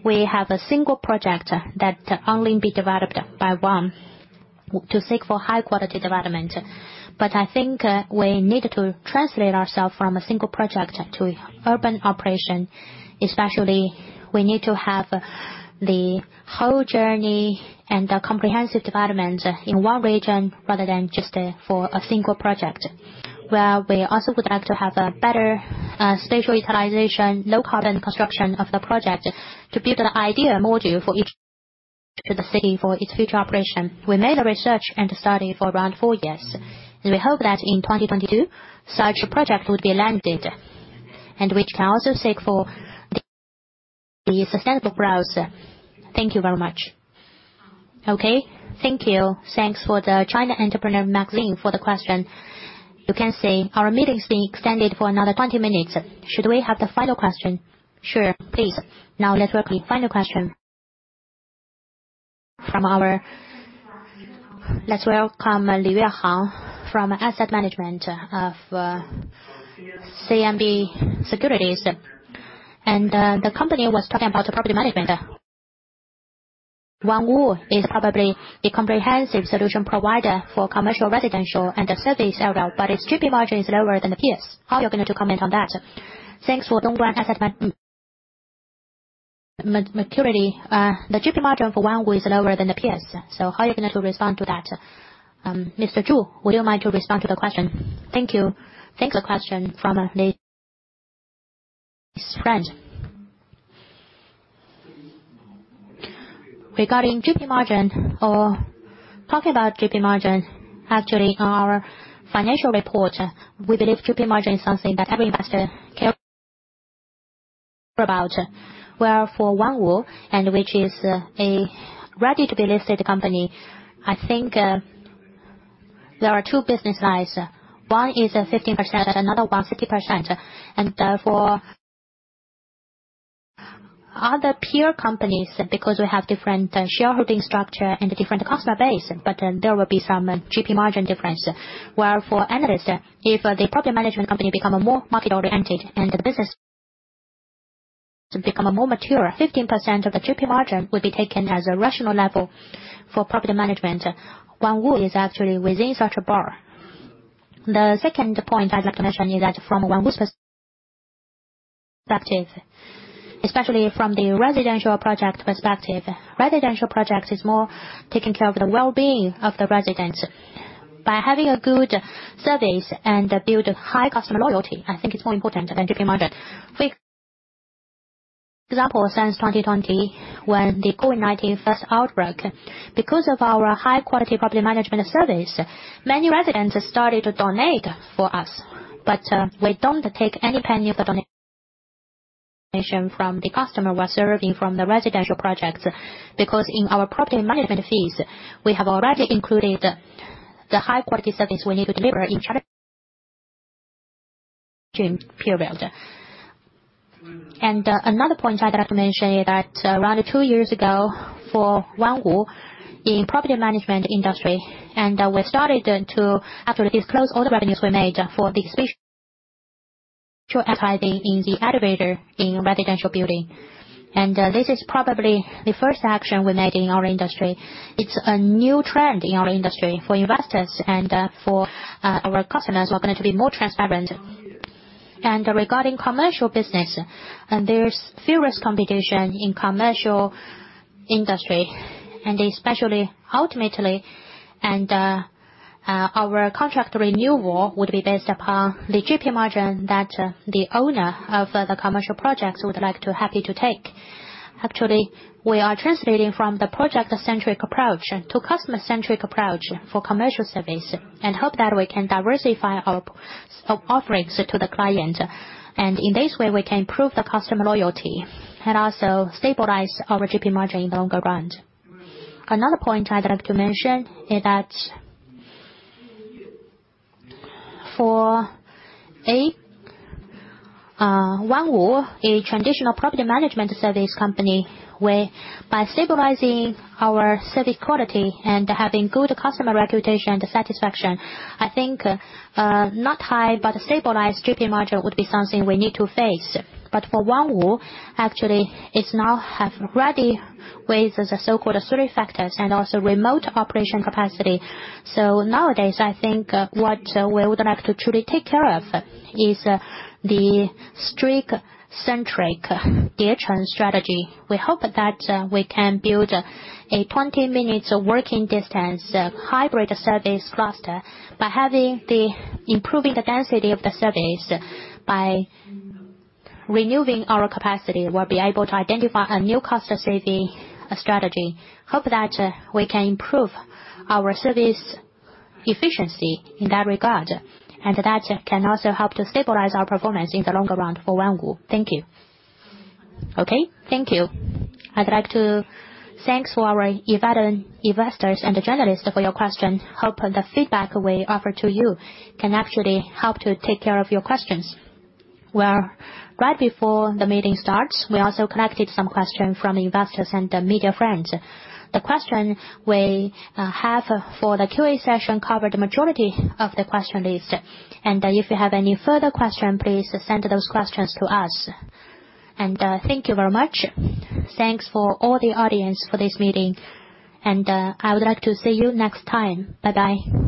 J: we have a single project that only be developed by one to seek for high quality development. I think we need to transform ourselves from a single project to urban operation. Especially, we need to have the whole journey and the comprehensive development in one region rather than just for a single project. We also would like to have a better spatial utilization, low carbon construction of the project to build an ideal module for the city for its future operation. We made a research and study for around four years, and we hope that in 2022 such a project would be landed, and which can also seek for the sustainable growth. Thank you very much.
A: Okay, thank you. Thanks for the China Entrepreneur magazine for the question. You can see our meeting is being extended for another 20 minutes. Should we have the final question? Sure. Please. Now let's welcome the final question from Li Weihang from Asset Management of CMB Securities.
R: The company was talking about the property management. Onewo is probably a comprehensive solution provider for commercial, residential, and the service area, but its GP margin is lower than the peers. How are you going to comment on that? Thanks for long-run. (audio distortion) Maturity, the GP margin for Onewo is lower than the peers, so how are you going to respond to that?
A: Mr. Zhu Jiusheng, would you mind to respond to the question? Thank you.
E: Thanks for the question from Li Weihang. Regarding GP margin or talking about GP margin, actually, our financial report, we believe GP margin is something that every investor care about. As for Onewo, which is a ready to be listed company, I think there are two business sides. One is 15% and another one 60%. For other peer companies, because we have different shareholding structure and different customer base, but then there will be some GP margin difference. As for analysts, if the property management company become a more market-oriented and the business become a more mature, 15% of the GP margin would be taken as a rational level for property management. Onewo is actually within such a ballpark. The second point I'd like to mention is that from Onewo's perspective, especially from the residential project perspective, residential project is more taking care of the well-being of the residents. By having a good service and build high customer loyalty, I think it's more important than GP margin. Example, since 2020, when the COVID-19 first outbreak. Because of our high quality property management service, many residents started to donate for us. We don't take any penny of the donation from the customer we're serving from the residential projects, because in our property management fees, we have already included the high-quality service we need to deliver in period. Another point I'd like to mention is that around two years ago, for Onewo in property management industry, we started to actually disclose all the revenues we made for the special in the elevator in residential building. This is probably the first action we made in our industry. It's a new trend in our industry for investors and for our customers. We're going to be more transparent. Regarding commercial business, there's furious competition in commercial industry, especially ultimately, our contract renewal would be based upon the GP margin that the owner of the commercial projects would be happy to take. Actually, we are transitioning from the project-centric approach to customer-centric approach for commercial service, and hope that we can diversify our offerings to the client. In this way, we can improve the customer loyalty and also stabilize our GP margin in the longer run. Another point I'd like to mention is that for Onewo, a traditional property management service company, whereby stabilizing our service quality and having good customer reputation and satisfaction, I think not high, but stabilized GP margin would be something we need to face. For Onewo, actually it's now ready with the so-called three factors and also remote operation capacity. Nowadays, I think, what we would like to truly take care of is the service-centric strategy. We hope that we can build a 20-minute working distance hybrid service cluster by improving the density of the service by renewing our capacity. We'll be able to identify a new cost-saving strategy. Hope that we can improve our service efficiency in that regard. That can also help to stabilize our performance in the long run for Onewo. Thank you.
A: Okay, thank you. I'd like to thank our investors and the journalists for your question. Hope the feedback we offer to you can actually help to take care of your questions. Well, right before the meeting starts, we also collected some question from investors and the media friends. The question we have for the QA session covered majority of the question list. If you have any further question, please send those questions to us. Thank you very much. Thanks for all the audience for this meeting. I would like to see you next time. Bye-bye.